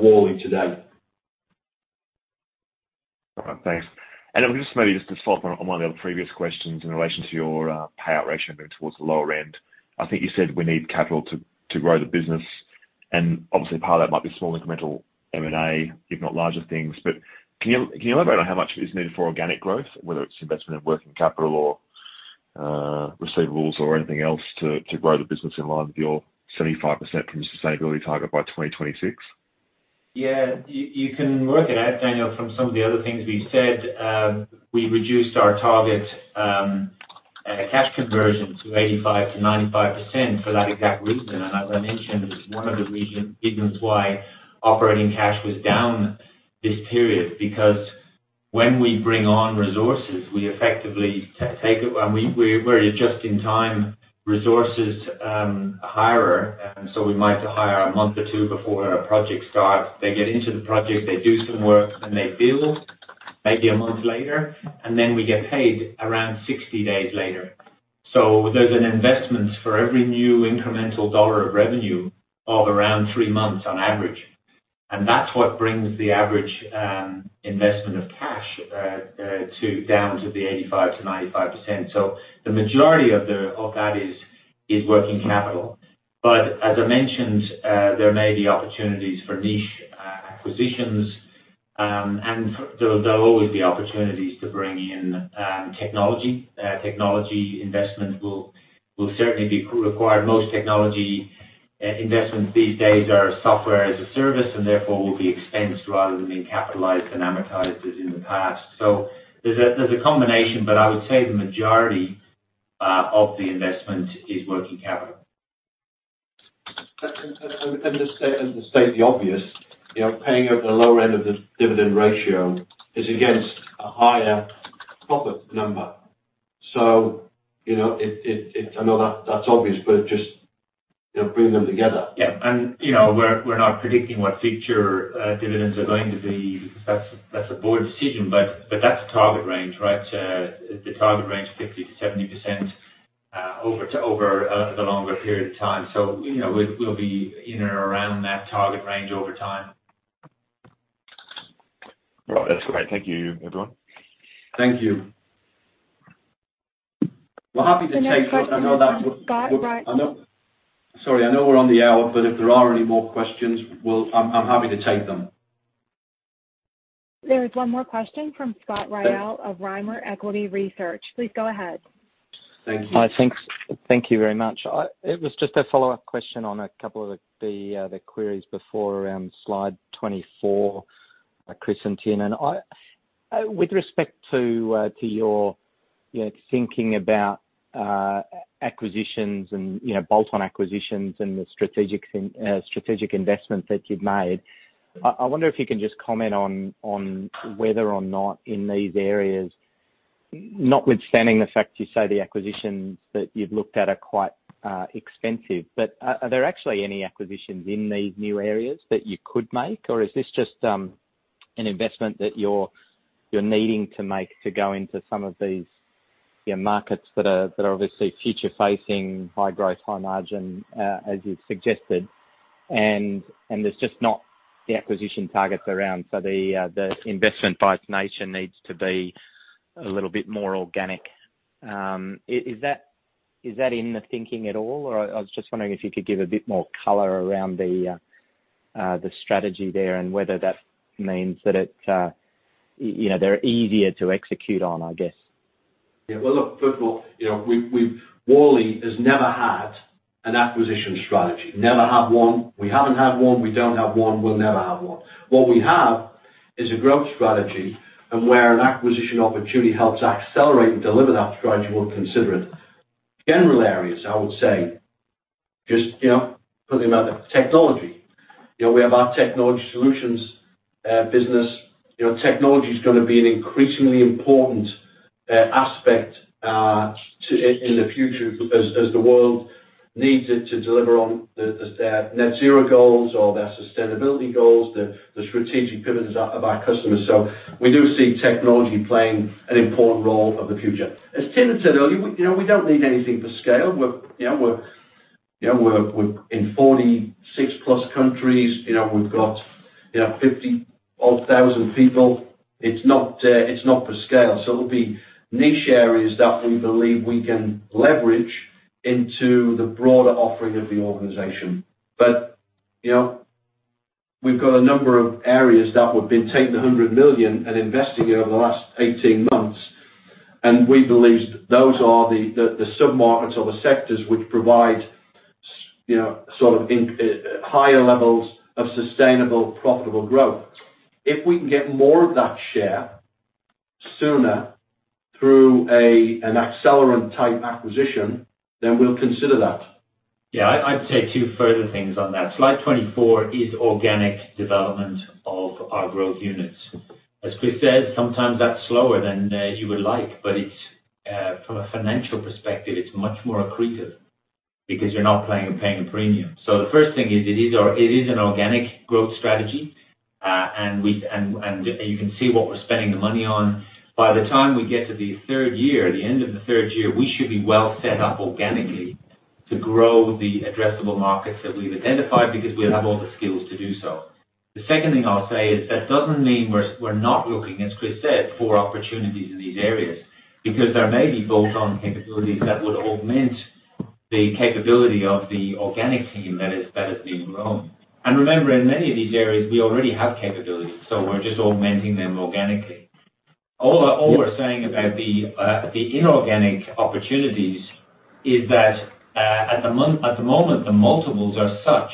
Worley today. All right. Thanks. If we can just maybe just to follow up on one of the other previous questions in relation to your payout ratio moving towards the lower end. I think you said we need capital to grow the business, and obviously part of that might be small incremental M&A, if not larger things. Can you elaborate on how much is needed for organic growth, whether it's investment in working capital or receivables or anything else to grow the business in line with your 75% from sustainability target by 2026? You can work it out, Daniel, from some of the other things we've said. We reduced our target cash conversion to 85%-95% for that exact reason. As I mentioned, it's one of the reasons why operating cash was down this period. When we bring on resources, we effectively take. We are a just-in-time resources hirer. We like to hire a month or two before a project starts. They get into the project, they do some work, and they bill maybe a month later, and then we get paid around 60 days later. There's an investment for every new incremental dollar of revenue of around three months on average. That's what brings the average investment of cash down to the 85%-95%. The majority of that is working capital. As I mentioned, there may be opportunities for niche acquisitions. There'll always be opportunities to bring in technology. Technology investment will certainly be required. Most technology investments these days are software as a service and therefore will be expensed rather than being capitalized and amortized as in the past. There's a combination, but I would say the majority of the investment is working capital. To state the obvious, you know, paying at the lower end of the dividend ratio is against a higher profit number. You know, it. I know that's obvious, but it just, you know, bring them together. Yeah. You know, we're not predicting what future, dividends are going to be. That's a board decision. That's the target range, right? The target range, 50%-70%, over the longer period of time. You know, we'll be in or around that target range over time. All right. That's great. Thank you, everyone. Thank you. We're happy to take- The next question is from Scott Ryall. I know. Sorry. I know we're on the hour. If there are any more questions, I'm happy to take them. There is one more question from Scott Ryall of Rimor Equity Research. Please go ahead. Thank you. Hi. Thanks. Thank you very much. It was just a follow-up question on a couple of the queries before around slide 24, Chris and Tiernan. With respect to your, you know, thinking about acquisitions and, you know, bolt-on acquisitions and the strategic investment that you've made, I wonder if you can just comment on whether or not in these areas. Notwithstanding the fact you say the acquisitions that you've looked at are quite expensive, but are there actually any acquisitions in these new areas that you could make? Or is this just an investment that you're needing to make to go into some of these, you know, markets that are obviously future-facing high growth, high margin, as you've suggested, and there's just not the acquisition targets around. The investment by nation needs to be a little bit more organic. Is that in the thinking at all? I was just wondering if you could give a bit more color around the strategy there and whether that means that it, you know, they're easier to execute on, I guess. Yeah. Well, look, first of all, you know, Worley has never had an acquisition strategy. Never had one. We haven't had one, we don't have one, we'll never have one. What we have is a growth strategy and where an acquisition opportunity helps accelerate and deliver that strategy, we'll consider it. General areas, I would say just, you know, putting them out there, technology. You know, we have our technology solutions business. You know, technology is gonna be an increasingly important aspect in the future as the world needs it to deliver on their net zero goals or their sustainability goals, the strategic pivots of our customers. We do see technology playing an important role of the future. As Tim said earlier, you know, we don't need anything for scale. We're, you know, we're, you know, we're in 46 plus countries. You know, we've got, you know, 50 odd thousand people. It's not, it's not for scale. It'll be niche areas that we believe we can leverage into the broader offering of the organization. You know, we've got a number of areas that we've been taking 100 million and investing in over the last 18 months, and we believe those are the sub-markets or the sectors which provide, you know, sort of in, higher levels of sustainable, profitable growth. If we can get more of that share sooner through a, an accelerant type acquisition, then we'll consider that. I'd say two further things on that. Slide 24 is organic development of our growth units. As Chris said, sometimes that's slower than you would like, but it's from a financial perspective, it's much more accretive because you're not playing and paying a premium. The first thing is, it is or it is an organic growth strategy, and you can see what we're spending the money on. By the time we get to the third year, the end of the third year, we should be well set up organically to grow the addressable markets that we've identified because we have all the skills to do so. The second thing I'll say is that doesn't mean we're not looking, as Chris said, for opportunities in these areas because there may be bolt-on capabilities that would augment the capability of the organic team that is being grown. Remember, in many of these areas, we already have capabilities, so we're just augmenting them organically. All we're saying about the inorganic opportunities is that at the moment, the multiples are such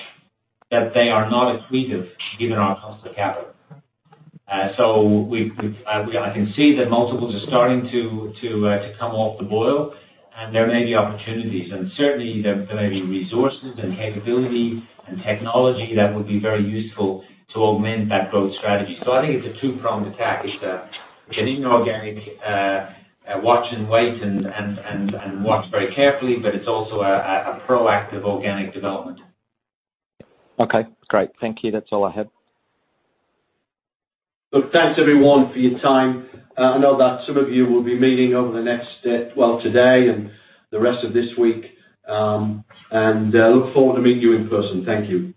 that they are not accretive given our cost of capital. I can see that multiples are starting to come off the boil, and there may be opportunities, and certainly there may be resources and capability and technology that would be very useful to augment that growth strategy. I think it's a two-pronged attack. It's a, it's an inorganic watch and wait and watch very carefully, but it's also a proactive organic development. Okay, great. Thank you. That's all I had. Look, thanks, everyone for your time. I know that some of you will be meeting over the next day, well, today and the rest of this week. I look forward to meeting you in person. Thank you.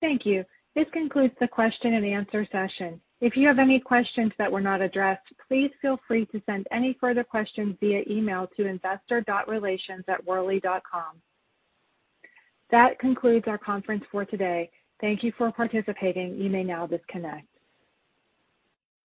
Thank you. This concludes the question and answer session. If you have any questions that were not addressed, please feel free to send any further questions via email to investor.relations@worley.com. That concludes our conference for today. Thank you for participating. You may now disconnect.